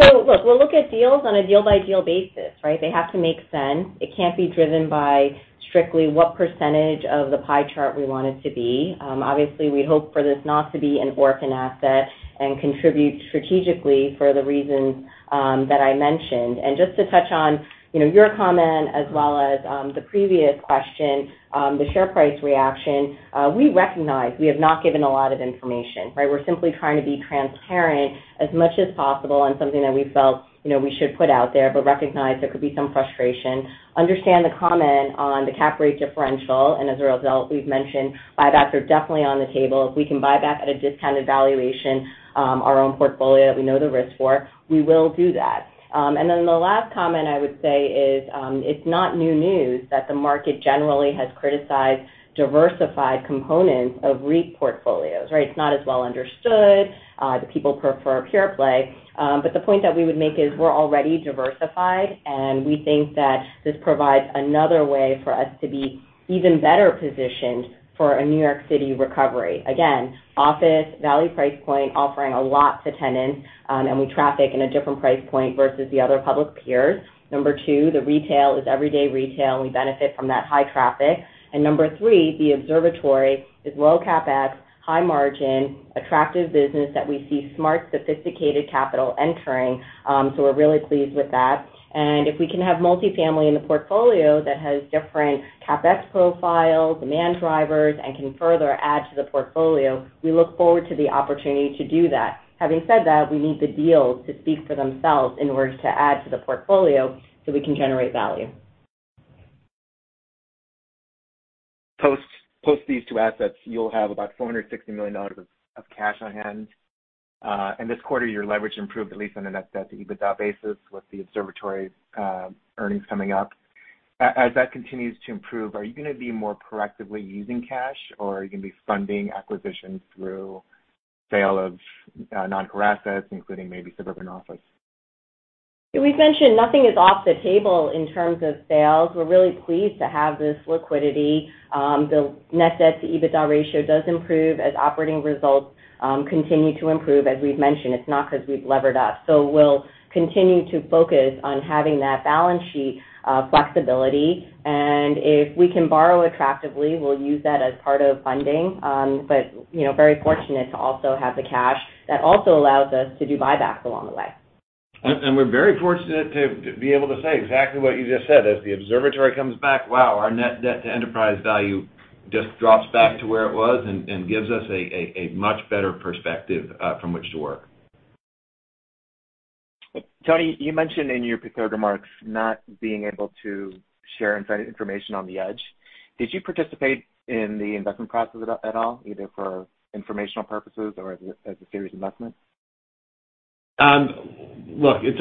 So look, we'll look at deals on a deal by deal basis, right? They have to make sense. It can't be driven by strictly what percentage of the pie chart we want it to be. Obviously, we hope for this not to be an orphan asset and contribute strategically for the reasons that I mentioned. Just to touch on, you know, your comment as well as the previous question, the share price reaction, we recognize we have not given a lot of information, right? We're simply trying to be transparent as much as possible on something that we felt, you know, we should put out there, but recognize there could be some frustration. Understand the comment on the cap rate differential, and as a result, we've mentioned buybacks are definitely on the table. If we can buy back at a discounted valuation, our own portfolio that we know the risk for, we will do that. The last comment I would say is, it's not new news that the market generally has criticized diversified components of REIT portfolios, right? It's not as well understood, the people prefer a pure play. The point that we would make is we're already diversified, and we think that this provides another way for us to be even better positioned for a New York City recovery. Again, office value price point offering a lot to tenants, and we traffic in a different price point versus the other public peers. Number two, the retail is everyday retail. We benefit from that high traffic. Number three, the observatory is low CapEx, high margin, attractive business that we see smart, sophisticated capital entering, so we're really pleased with that. If we can have multifamily in the portfolio that has different CapEx profiles, demand drivers, and can further add to the portfolio, we look forward to the opportunity to do that. Having said that, we need the deals to speak for themselves in order to add to the portfolio so we can generate value. Post these two assets, you'll have about $460 million of cash on hand. This quarter, your leverage improved at least on a net debt to EBITDA basis with the observatory earnings coming up. As that continues to improve, are you gonna be more proactively using cash, or are you gonna be funding acquisitions through sale of non-core assets, including maybe suburban office? We've mentioned nothing is off the table in terms of sales. We're really pleased to have this liquidity. The net debt to EBITDA ratio does improve as operating results continue to improve. As we've mentioned, it's not 'cause we've levered up. We'll continue to focus on having that balance sheet flexibility. If we can borrow attractively, we'll use that as part of funding. You know, very fortunate to also have the cash. That also allows us to do buybacks along the way. We're very fortunate to be able to say exactly what you just said. As the observatory comes back, wow, our net debt to enterprise value just drops back to where it was and gives us a much better perspective from which to work. Tony, you mentioned in your prepared remarks not being able to share inside information on the Edge. Did you participate in the investment process at all, either for informational purposes or as a serious investment? Look, it's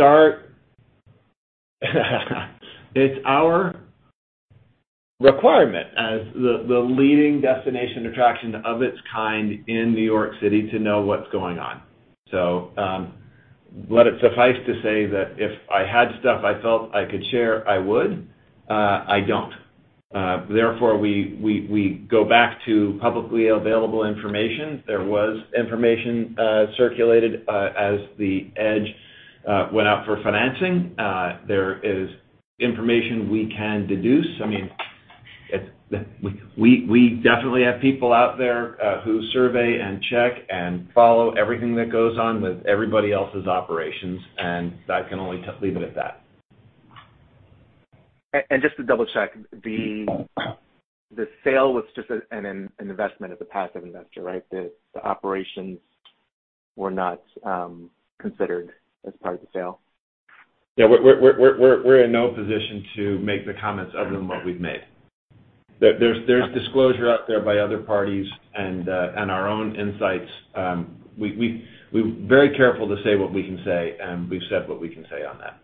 our requirement as the leading destination attraction of its kind in New York City to know what's going on. Let it suffice to say that if I had stuff I felt I could share, I would. I don't. Therefore, we go back to publicly available information. There was information circulated as the Edge went out for financing. There is information we can deduce. I mean, we definitely have people out there who survey and check and follow everything that goes on with everybody else's operations, and I can only leave it at that. Just to double-check, the sale was just an investment of the passive investor, right? The operations were not considered as part of the sale. Yeah. We're in no position to make the comments other than what we've made. There's disclosure out there by other parties and our own insights. We're very careful to say what we can say, and we've said what we can say on that.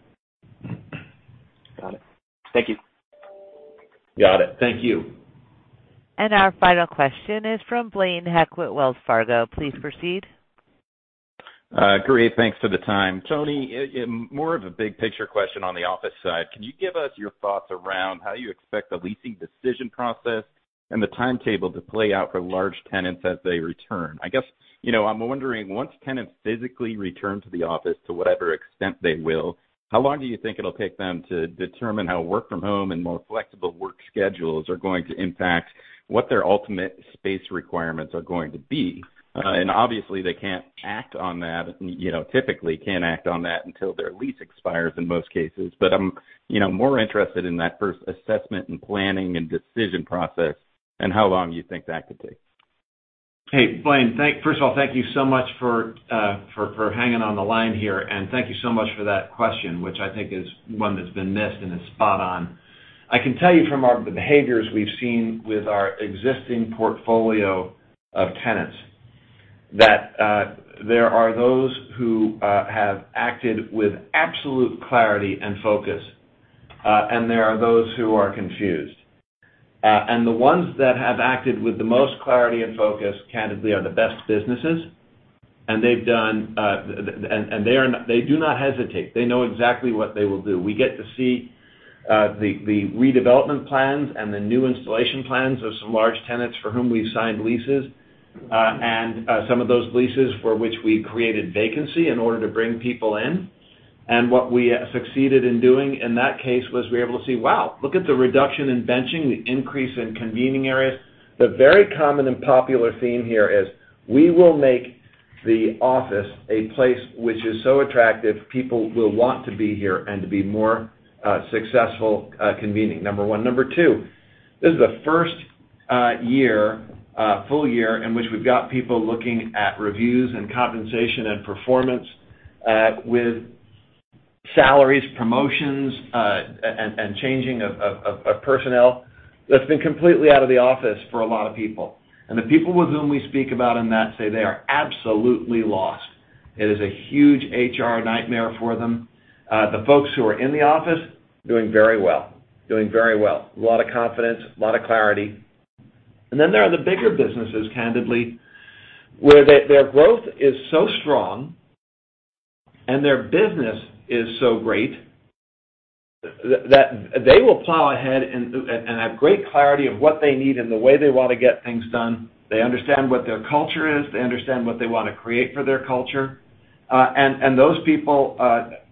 Got it. Thank you. Got it. Thank you. Our final question is from Blaine Heck with Wells Fargo. Please proceed. Great. Thanks for the time. Tony, more of a big picture question on the office side. Can you give us your thoughts around how you expect the leasing decision process and the timetable to play out for large tenants as they return? I guess, you know, I'm wondering, once tenants physically return to the office, to whatever extent they will, how long do you think it'll take them to determine how work from home and more flexible work schedules are going to impact what their ultimate space requirements are going to be? And obviously, they can't act on that, you know, typically can't act on that until their lease expires in most cases. I'm, you know, more interested in that first assessment and planning and decision process and how long you think that could take. Hey, Blaine, first of all, thank you so much for hanging on the line here, and thank you so much for that question, which I think is one that's been missed and is spot on. I can tell you from the behaviors we've seen with our existing portfolio of tenants that there are those who have acted with absolute clarity and focus, and there are those who are confused. The ones that have acted with the most clarity and focus, candidly, are the best businesses, and they do not hesitate. They know exactly what they will do. We get to see the redevelopment plans and the new installation plans of some large tenants for whom we've signed leases, and some of those leases for which we created vacancy in order to bring people in. What we have succeeded in doing in that case was we're able to see, wow, look at the reduction in benching, the increase in convening areas. The very common and popular theme here is we will make the office a place which is so attractive, people will want to be here and to be more successful convening. Number one. Number two, this is the first full year in which we've got people looking at reviews and compensation and performance with salaries, promotions, and changing of personnel that's been completely out of the office for a lot of people. The people with whom we speak to about that say they are absolutely lost. It is a huge HR nightmare for them. The folks who are in the office doing very well. A lot of confidence, a lot of clarity. Then there are the bigger businesses, candidly, where their growth is so strong and their business is so great that they will plow ahead and have great clarity of what they need and the way they wanna get things done. They understand what their culture is. They understand what they wanna create for their culture. Those people,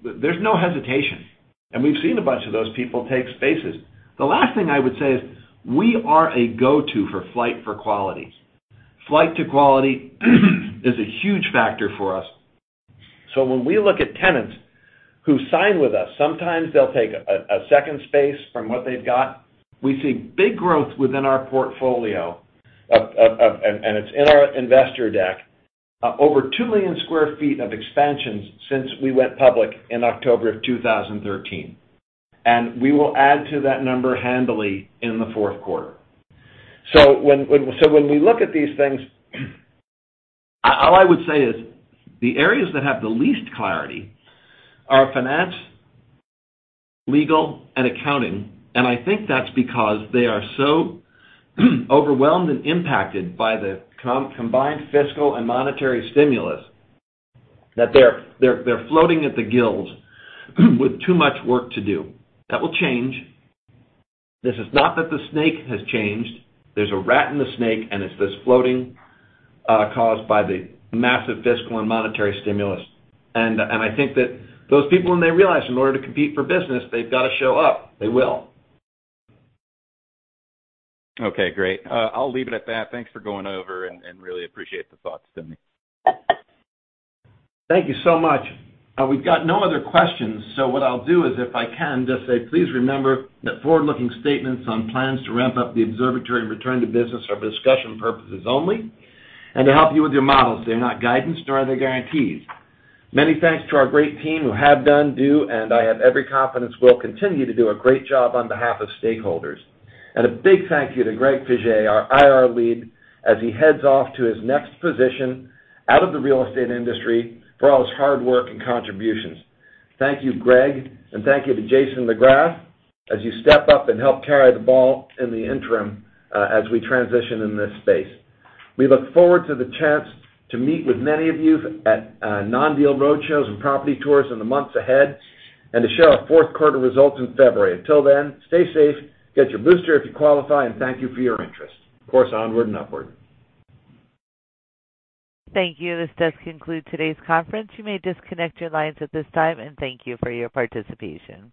there's no hesitation. We've seen a bunch of those people take spaces. The last thing I would say is we are a go-to for flight to quality. Flight to quality is a huge factor for us. When we look at tenants who sign with us, sometimes they'll take a second space from what they've got. We see big growth within our portfolio, and it's in our investor deck, over 2 million sq ft of expansions since we went public in October 2013. We will add to that number handily in the Q4. When we look at these things, all I would say is the areas that have the least clarity are finance, legal, and accounting, and I think that's because they are so overwhelmed and impacted by the combined fiscal and monetary stimulus that they're floating at the hilt with too much work to do. That will change. This is not that the snake has changed. There's a rat in the snake, and it's this floating caused by the massive fiscal and monetary stimulus. I think that those people, when they realize in order to compete for business, they've gotta show up, they will. Okay, great. I'll leave it at that. Thanks for going over and really appreciate the thoughts, Tony. Thank you so much. We've got no other questions, so what I'll do is if I can just say, please remember that forward-looking statements on plans to ramp up the observatory and return to business are for discussion purposes only and to help you with your models. They're not guidance, nor are they guarantees. Many thanks to our great team who have done, do, and I have every confidence will continue to do a great job on behalf of stakeholders. A big thank you to Greg Faje, o ur IR lead, as he heads off to his next position out of the real estate industry for all his hard work and contributions. Thank you, Greg, and thank you to Jason McGrath as you step up and help carry the ball in the interim, as we transition in this space. We look forward to the chance to meet with many of you at non-deal roadshows and property tours in the months ahead, and to share our Q4 results in February. Until then, stay safe, get your booster if you qualify, and thank you for your interest. Of course, onward and upward. Thank you. This does conclude today's conference. You may disconnect your lines at this time, and thank you for your participation.